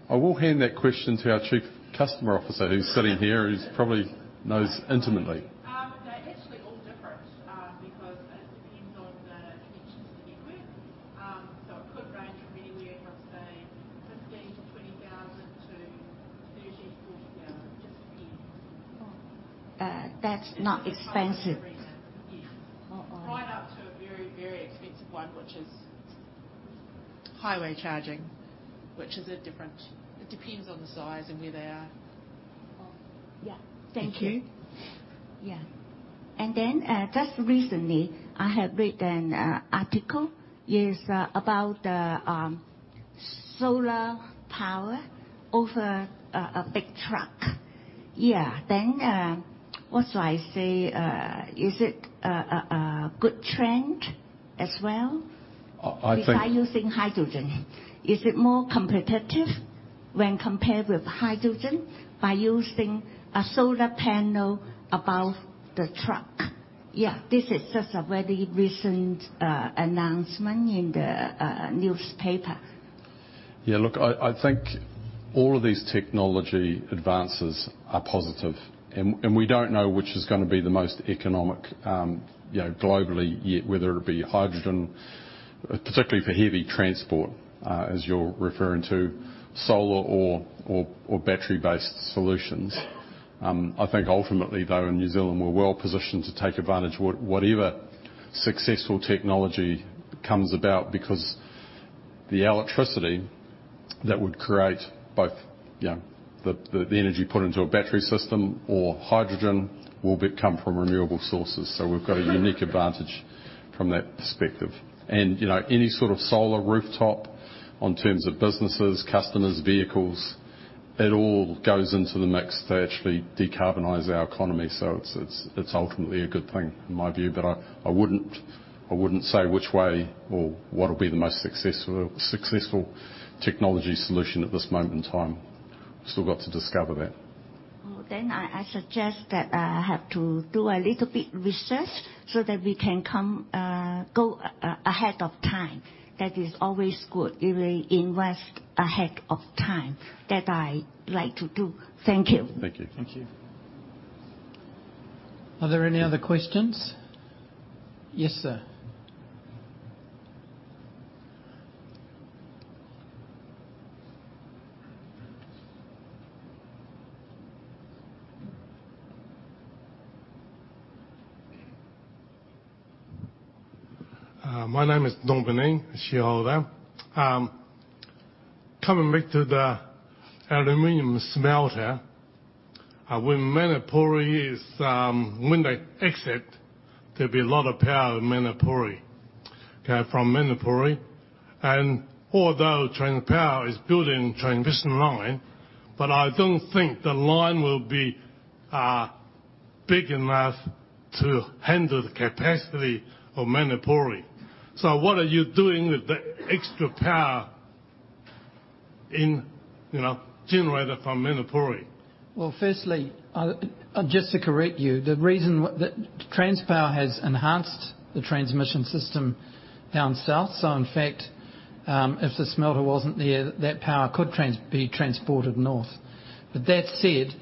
I will hand that question to our Chief Customer Officer who's sitting here, who's probably knows intimately. They're actually all different, because it depends on the connections to the network. It could range from anywhere from say NZD 15,000-NZD 20,000 to NZD 30,000-NZD 40,000. It just depends. That's not expensive. Yes. Oh, oh. Right up to a very, very expensive one, which is highway charging, which is a different. It depends on the size and where they are. Oh. Yeah. Thank you. Yeah. Just recently, I have read an article. Yes. About the solar power over a big truck. Yeah. What should I say? Is it a good trend as well? I think. Besides using hydrogen. Is it more competitive when compared with hydrogen by using a solar panel above the truck? Yeah. This is just a very recent announcement in the newspaper. Yeah. Look, I think all of these technology advances are positive and we don't know which is gonna be the most economic, you know, globally yet, whether it be hydrogen, particularly for heavy transport, as you're referring to, solar or battery-based solutions. I think ultimately though, in New Zealand, we're well positioned to take advantage whatever successful technology comes about because the electricity that would create both, you know, the energy put into a battery system or hydrogen will come from renewable sources. We've got a unique advantage from that perspective. You know, any sort of solar rooftop in terms of businesses, customers, vehicles, it all goes into the mix to actually decarbonize our economy. It's ultimately a good thing in my view. I wouldn't say which way or what'll be the most successful technology solution at this moment in time. Still got to discover that. I suggest that I have to do a little bit research so that we can go ahead of time. That is always good if we invest ahead of time. That I like to do. Thank you. Thank you. Thank you. Are there any other questions? Yes, sir. My name is Don Benham, a shareholder. Coming back to the aluminum smelter. When they exit, there'll be a lot of power in Manapouri. Okay, from Manapouri. Although Transpower is building transmission line, but I don't think the line will be big enough to handle the capacity of Manapouri. What are you doing with the extra power, you know, generated from Manapouri? Well, firstly, just to correct you, the reason Transpower has enhanced the transmission system down south. In fact, if the smelter wasn't there, that power could be transported north. That said,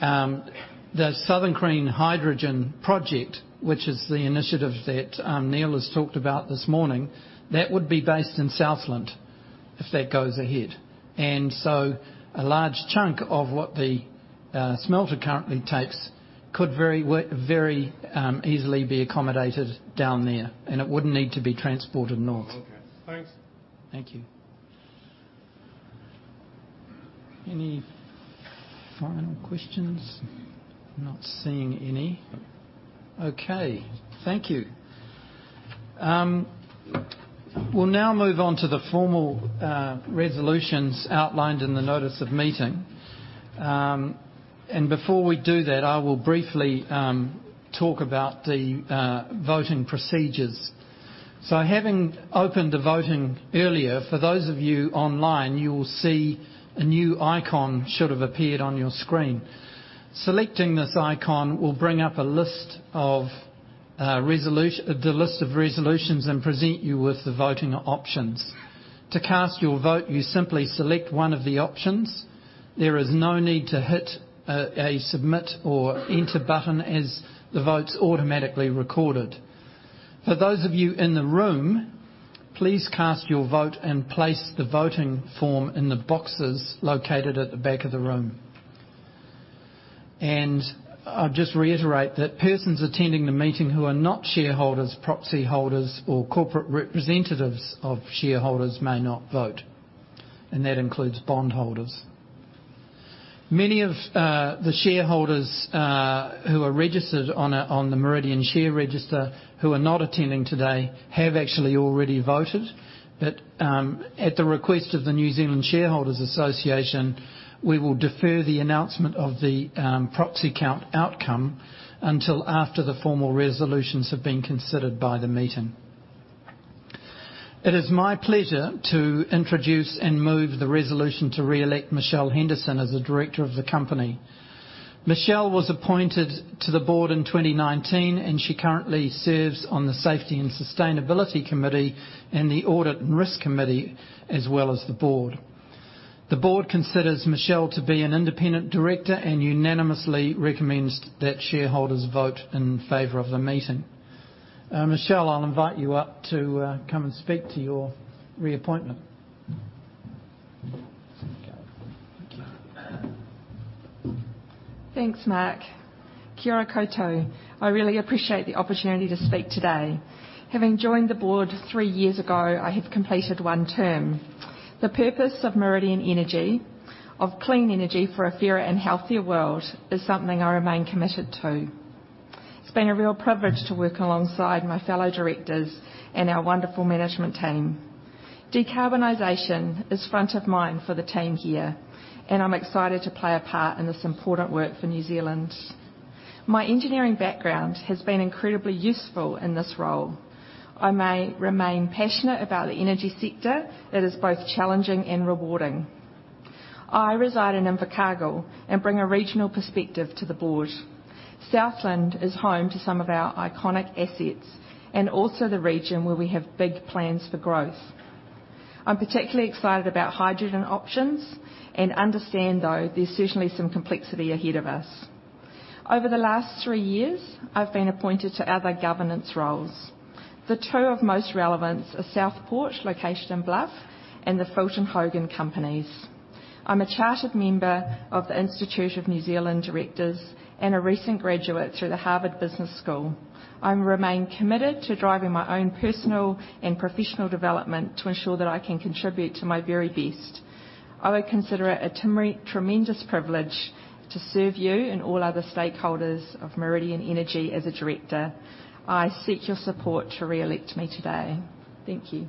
the Southern Green Hydrogen project, which is the initiative that Neal has talked about this morning, that would be based in Southland if that goes ahead. A large chunk of what the smelter currently takes could very easily be accommodated down there, and it wouldn't need to be transported north. Okay. Thanks. Thank you. Any final questions? Not seeing any. Okay. Thank you. We'll now move on to the formal resolutions outlined in the notice of meeting. Before we do that, I will briefly talk about the voting procedures. Having opened the voting earlier, for those of you online, you will see a new icon should have appeared on your screen. Selecting this icon will bring up a list of resolutions and present you with the voting options. To cast your vote, you simply select one of the options. There is no need to hit a submit or enter button as the vote's automatically recorded. For those of you in the room, please cast your vote and place the voting form in the boxes located at the back of the room. I'll just reiterate that persons attending the meeting who are not shareholders, proxy holders or corporate representatives of shareholders may not vote, and that includes bondholders. Many of the shareholders who are registered on the Meridian Share Register who are not attending today have actually already voted. At the request of the New Zealand Shareholders' Association, we will defer the announcement of the proxy count outcome until after the formal resolutions have been considered by the meeting. It is my pleasure to introduce and move the resolution to re-elect Michelle Henderson as a director of the company. Michelle was appointed to the board in 2019 and she currently serves on the Safety and Sustainability Committee and the Audit and Risk Committee, as well as the board. The board considers Michelle to be an Independent Director and unanimously recommends that shareholders vote in favor of the meeting. Michelle, I'll invite you up to come and speak to your reappointment. Thank you. Thanks, Mark. Kia ora koutou. I really appreciate the opportunity to speak today. Having joined the board three years ago, I have completed one term. The purpose of Meridian Energy, of clean energy for a fairer and healthier world, is something I remain committed to. It's been a real privilege to work alongside my fellow directors and our wonderful management team. Decarbonization is front of mind for the team here, and I'm excited to play a part in this important work for New Zealand. My engineering background has been incredibly useful in this role. I may remain passionate about the energy sector that is both challenging and rewarding. I reside in Invercargill and bring a regional perspective to the board. Southland is home to some of our iconic assets and also the region where we have big plans for growth. I'm particularly excited about hydrogen options and understand, though, there's certainly some complexity ahead of us. Over the last 3 years, I've been appointed to other governance roles. The two of most relevance are South Port, located in Bluff, and the Fulton Hogan companies. I'm a chartered member of the Institute of Directors in New Zealand and a recent graduate through the Harvard Business School. I remain committed to driving my own personal and professional development to ensure that I can contribute to my very best. I would consider it a tremendous privilege to serve you and all other stakeholders of Meridian Energy as a director. I seek your support to re-elect me today. Thank you.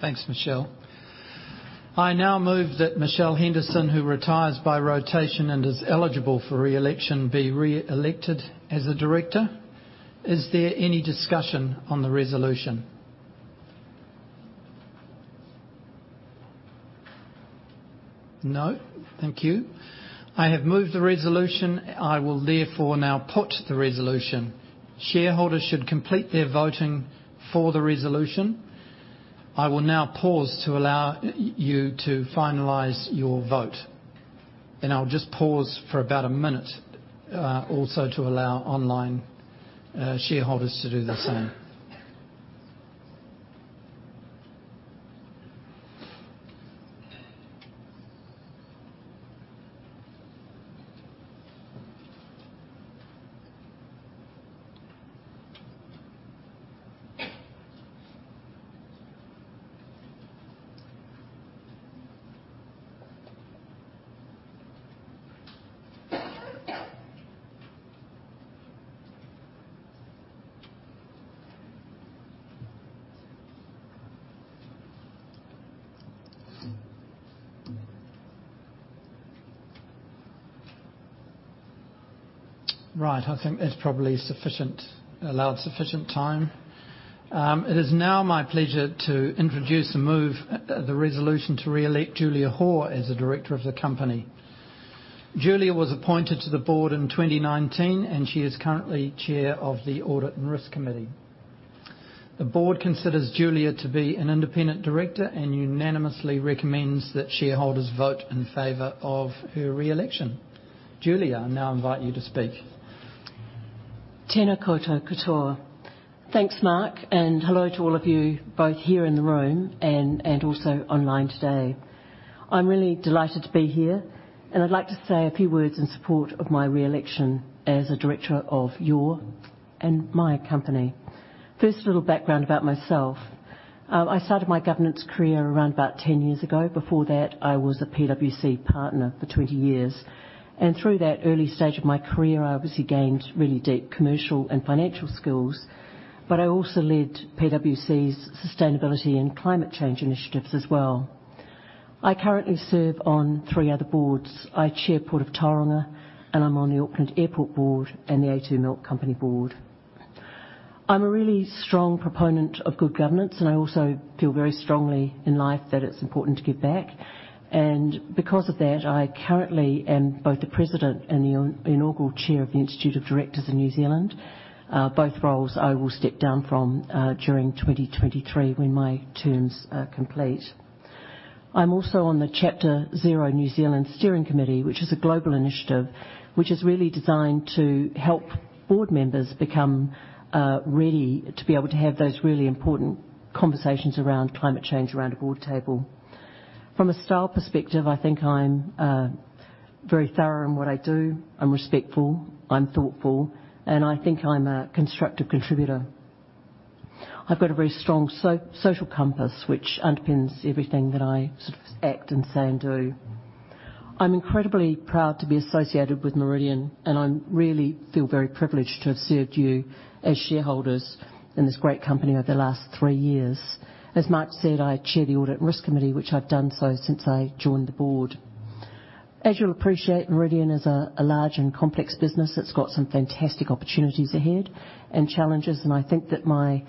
Thanks, Michelle. I now move that Michelle Henderson, who retires by rotation and is eligible for re-election, be re-elected as a director. Is there any discussion on the resolution? No? Thank you. I have moved the resolution. I will therefore now put the resolution. Shareholders should complete their voting for the resolution. I will now pause to allow you to finalize your vote, and I'll just pause for about a minute, also to allow online shareholders to do the same. Right. I think that's probably sufficient. Allowed sufficient time. It is now my pleasure to introduce and move the resolution to re-elect Julia Hoare as a director of the company. Julia was appointed to the board in 2019, and she is currently chair of the Audit and Risk Committee. The board considers Julia to be an Independent Director and unanimously recommends that shareholders vote in favor of her re-election. Julia, I now invite you to speak. Tēnā koutou katoa. Thanks, Mark, and hello to all of you, both here in the room and also online today. I'm really delighted to be here, and I'd like to say a few words in support of my re-election as a director of your and my company. First, a little background about myself. I started my governance career around about 10 years ago. Before that, I was a PwC partner for 20 years, and through that early stage of my career, I obviously gained really deep commercial and financial skills. I also led PwC's sustainability and climate change initiatives as well. I currently serve on three other boards. I chair Port of Tauranga, and I'm on the Auckland Airport board and the a2 Milk Company board. I'm a really strong proponent of good governance, and I also feel very strongly in life that it's important to give back. Because of that, I currently am both the president and the inaugural chair of the Institute of Directors in New Zealand. Both roles I will step down from during 2023 when my terms are complete. I'm also on the Chapter Zero New Zealand Steering Committee, which is a global initiative which is really designed to help board members become ready to be able to have those really important conversations around climate change around the board table. From a style perspective, I think I'm very thorough in what I do. I'm respectful, I'm thoughtful, and I think I'm a constructive contributor. I've got a very strong social compass which underpins everything that I sort of act and say and do. I'm incredibly proud to be associated with Meridian, and I'm really feel very privileged to have served you as shareholders in this great company over the last 3 years. As Mark said, I chair the Audit Risk Committee, which I've done so since I joined the board. As you'll appreciate, Meridian is a large and complex business. It's got some fantastic opportunities ahead and challenges, and I think that my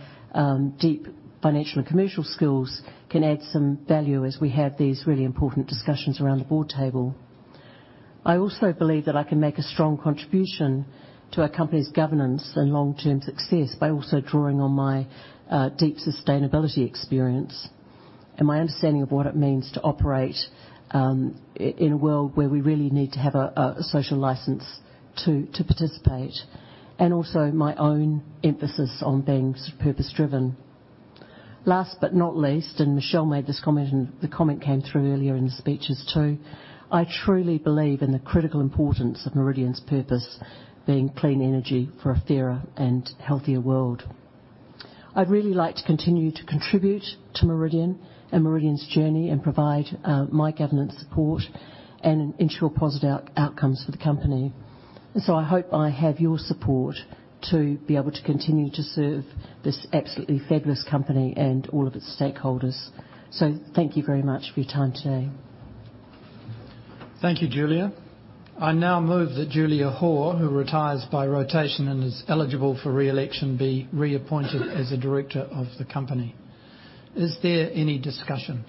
deep financial and commercial skills can add some value as we have these really important discussions around the board table. I also believe that I can make a strong contribution to our company's governance and long-term success by also drawing on my deep sustainability experience and my understanding of what it means to operate in a world where we really need to have a social license to participate, and also my own emphasis on being purpose-driven. Last but not least, Michelle made this comment and the comment came through earlier in the speeches too. I truly believe in the critical importance of Meridian's purpose, being clean energy for a fairer and healthier world. I'd really like to continue to contribute to Meridian and Meridian's journey and provide my governance support and ensure positive outcomes for the company. I hope I have your support to be able to continue to serve this absolutely fabulous company and all of its stakeholders. Thank you very much for your time today. Thank you, Julia. I now move that Julia Hoare, who retires by rotation and is eligible for re-election, be reappointed as a director of the company. Is there any discussion?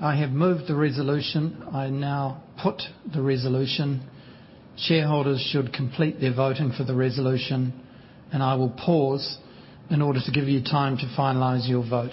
I have moved the resolution. I now put the resolution. Shareholders should complete their voting for the resolution, and I will pause in order to give you time to finalize your vote.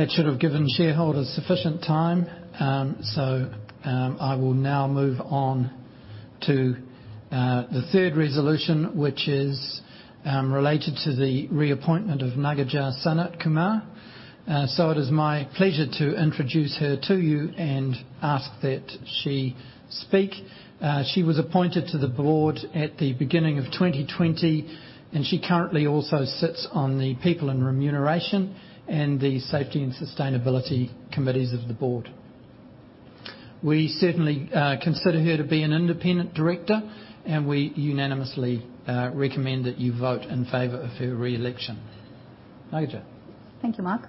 That should have given shareholders sufficient time. I will now move on to the third resolution, which is related to the reappointment of Nagaja Sanatkumar. It is my pleasure to introduce her to you and ask that she speak. She was appointed to the board at the beginning of 2020, and she currently also sits on the People and Remuneration and the Safety and Sustainability Committees of the board. We certainly consider her to be an independent director, and we unanimously recommend that you vote in favor of her re-election. Nagaja. Thank you, Mark.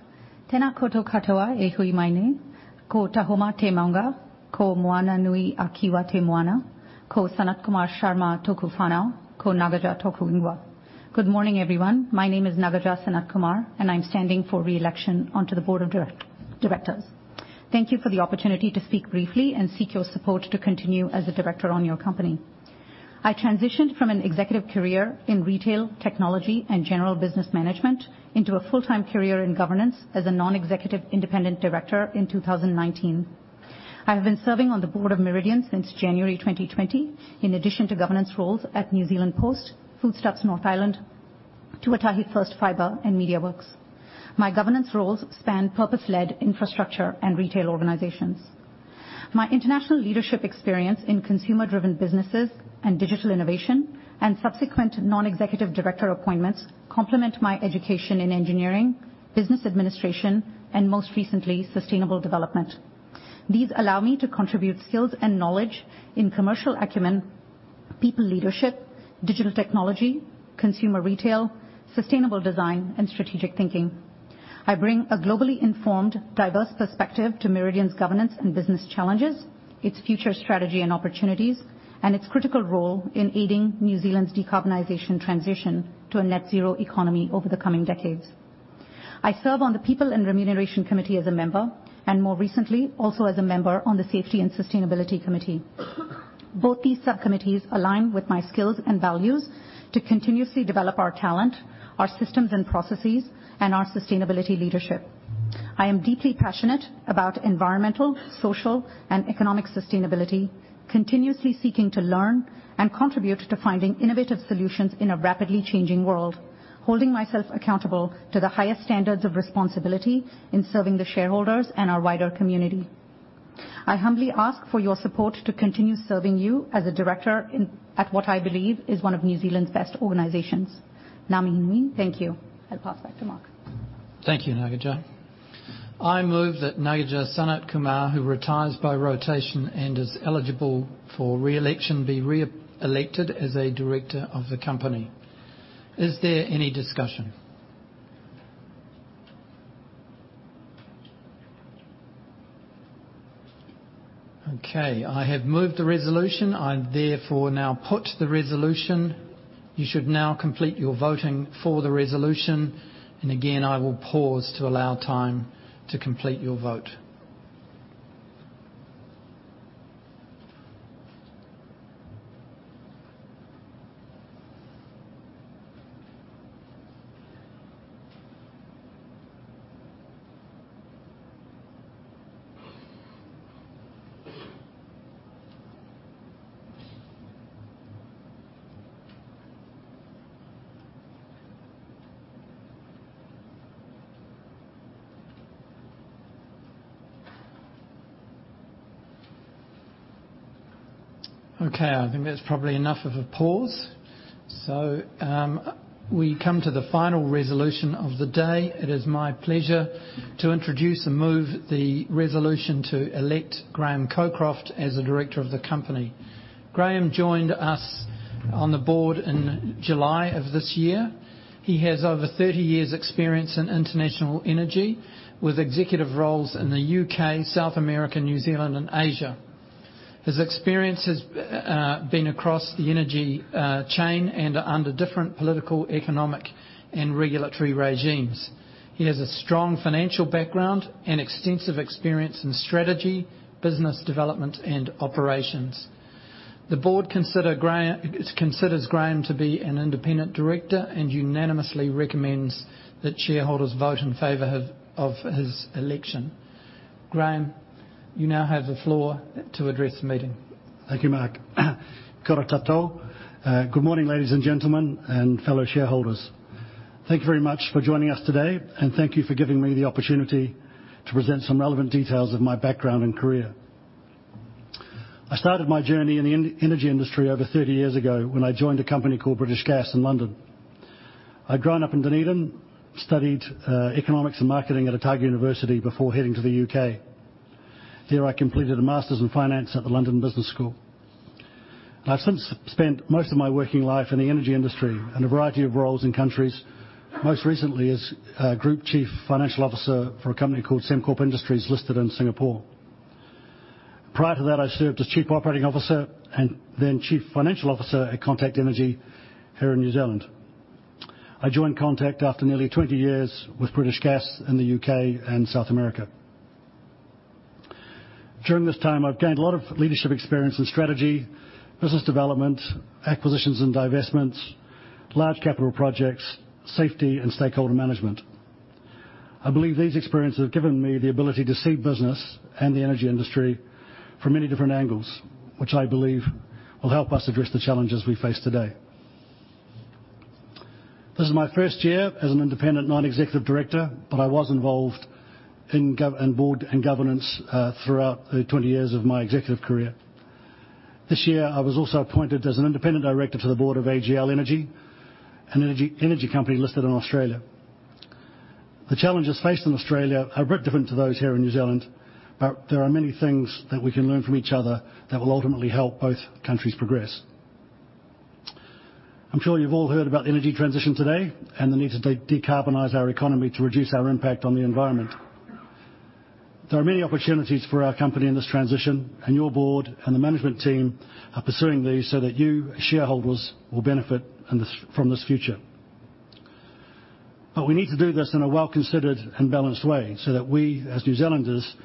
Good morning, everyone. My name is Nagaja Sanatkumar, and I'm standing for re-election onto the board of directors. Thank you for the opportunity to speak briefly and seek your support to continue as a director on your company. I transitioned from an executive career in retail technology and general business management into a full-time career in governance as a non-executive independent director in 2019. I have been serving on the board of Meridian since January 2020, in addition to governance roles at New Zealand Post, Foodstuffs North Island, Tuatahi First Fibre and MediaWorks. My governance roles span purpose-led infrastructure and retail organizations. My international leadership experience in consumer-driven businesses and digital innovation and subsequent non-executive director appointments complement my education in engineering, business administration, and most recently, sustainable development. These allow me to contribute skills and knowledge in commercial acumen, people leadership, digital technology, consumer retail, sustainable design, and strategic thinking. I bring a globally informed, diverse perspective to Meridian's governance and business challenges, its future strategy and opportunities, and its critical role in aiding New Zealand's decarbonization transition to a net zero economy over the coming decades. I serve on the People and Remuneration Committee as a member, and more recently, also as a member on the Safety and Sustainability Committee. Both these sub-committees align with my skills and values to continuously develop our talent, our systems and processes, and our sustainability leadership. I am deeply passionate about environmental, social, and economic sustainability, continuously seeking to learn and contribute to finding innovative solutions in a rapidly changing world. Holding myself accountable to the highest standards of responsibility in serving the shareholders and our wider community. I humbly ask for your support to continue serving you as a director at what I believe is one of New Zealand's best organizations. "Ngā mihi nui." Thank you. I'll pass back to Mark. Thank you, Nagaja Sanatkumar. I move that Nagaja Sanatkumar, who retires by rotation and is eligible for re-election, be re-elected as a director of the company. Is there any discussion? Okay, I have moved the resolution. I therefore now put the resolution. You should now complete your voting for the resolution. I will pause to allow time to complete your vote. Okay, I think that's probably enough of a pause. We come to the final resolution of the day. It is my pleasure to introduce and move the resolution to elect Graham Cockroft as a director of the company. Graham joined us on the board in July of this year. He has over 30 years experience in international energy with executive roles in the U.K., South America, New Zealand, and Asia. His experience has been across the energy chain and under different political, economic, and regulatory regimes. He has a strong financial background and extensive experience in strategy, business development, and operations. The board considers Graham to be an independent director and unanimously recommends that shareholders vote in favor of his election. Graham, you now have the floor to address the meeting. Thank you, Mark. Kia ora koutou. Good morning, ladies and gentlemen and fellow shareholders. Thank you very much for joining us today, and thank you for giving me the opportunity to present some relevant details of my background and career. I started my journey in the energy industry over 30 years ago when I joined a company called British Gas in London. I'd grown up in Dunedin, studied economics and marketing at University of Otago before heading to the U.K. There, I completed a master's in finance at the London Business School. I've since spent most of my working life in the energy industry in a variety of roles and countries, most recently as group chief financial officer for a company called Sembcorp Industries, listed in Singapore. Prior to that, I served as chief operating officer and then chief financial officer at Contact Energy here in New Zealand. I joined Contact after nearly 20 years with British Gas in the U.K. and South America. During this time, I've gained a lot of leadership experience in strategy, business development, acquisitions and divestments, large capital projects, safety, and stakeholder management. I believe these experiences have given me the ability to see business and the energy industry from many different angles, which I believe will help us address the challenges we face today. This is my first year as an independent non-executive director, but I was involved in board and governance throughout the 20 years of my executive career. This year, I was also appointed as an independent director to the board of AGL Energy, an energy company listed in Australia. The challenges faced in Australia are very different to those here in New Zealand, but there are many things that we can learn from each other that will ultimately help both countries progress. I'm sure you've all heard about the energy transition today and the need to de-decarbonize our economy to reduce our impact on the environment. There are many opportunities for our company in this transition, and your board and the management team are pursuing these so that you, shareholders, will benefit from this future. We need to do this in a well-considered and balanced way so that we, as New Zealanders,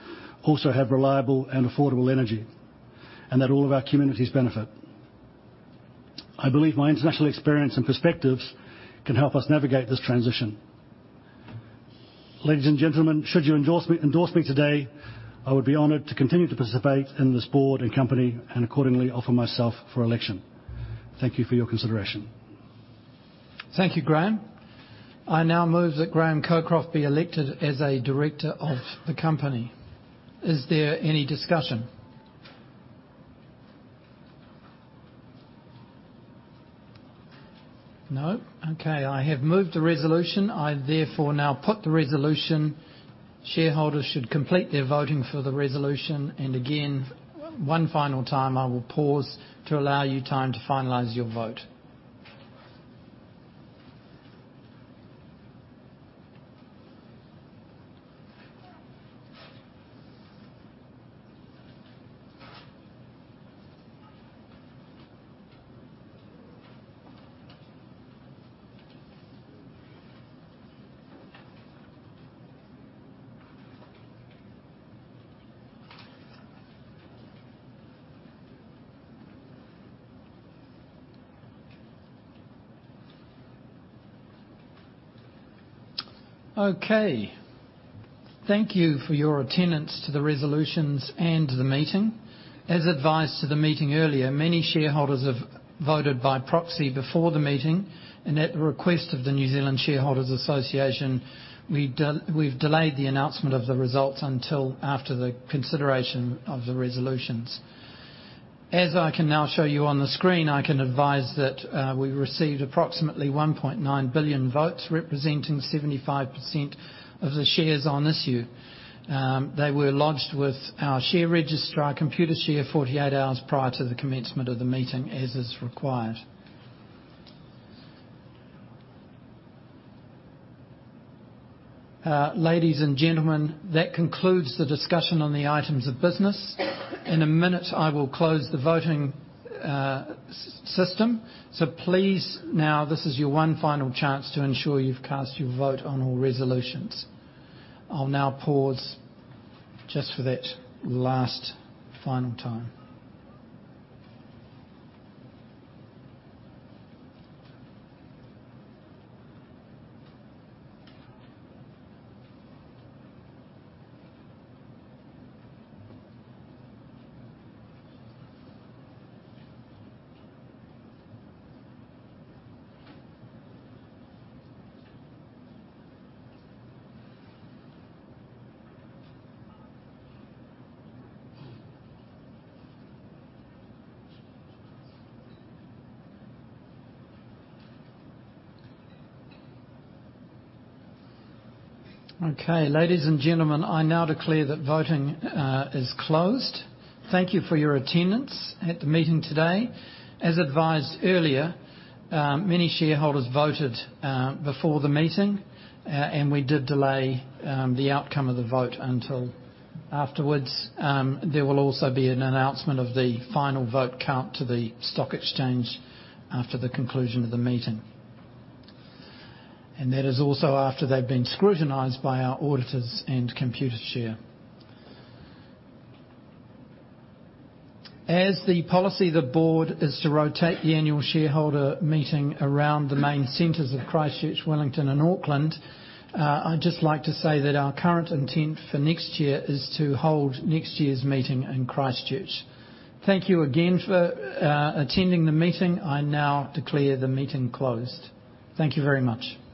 also have reliable and affordable energy, and that all of our communities benefit. I believe my international experience and perspectives can help us navigate this transition. Ladies and gentlemen, should you endorse me today, I would be honored to continue to participate in this board and company and accordingly offer myself for election. Thank you for your consideration. Thank you, Graham Cockroft. I now move that Graham Cockroft be elected as a director of the company. Is there any discussion? No. Okay, I have moved the resolution. I therefore now put the resolution. Shareholders should complete their voting for the resolution. Again, one final time, I will pause to allow you time to finalize your vote. Okay. Thank you for your attendance to the resolutions and the meeting. As advised to the meeting earlier, many shareholders have voted by proxy before the meeting and at the request of the New Zealand Shareholders' Association, we've delayed the announcement of the results until after the consideration of the resolutions. As I can now show you on the screen, I can advise that we received approximately 1.9 billion votes, representing 75% of the shares on issue. They were lodged with our share registrar, Computershare, 48 hours prior to the commencement of the meeting, as is required. Ladies and gentlemen, that concludes the discussion on the items of business. In a minute, I will close the voting system. Please, now, this is your one final chance to ensure you've cast your vote on all resolutions. I'll now pause just for that last final time. Okay, ladies and gentlemen, I now declare that voting is closed. Thank you for your attendance at the meeting today. As advised earlier, many shareholders voted before the meeting, and we did delay the outcome of the vote until afterwards. There will also be an announcement of the final vote count to the stock exchange after the conclusion of the meeting. That is also after they've been scrutinized by our auditors and Computershare. As the policy of the board is to rotate the annual shareholder meeting around the main centers of Christchurch, Wellington, and Auckland, I'd just like to say that our current intent for next year is to hold next year's meeting in Christchurch. Thank you again for attending the meeting. I now declare the meeting closed. Thank you very much.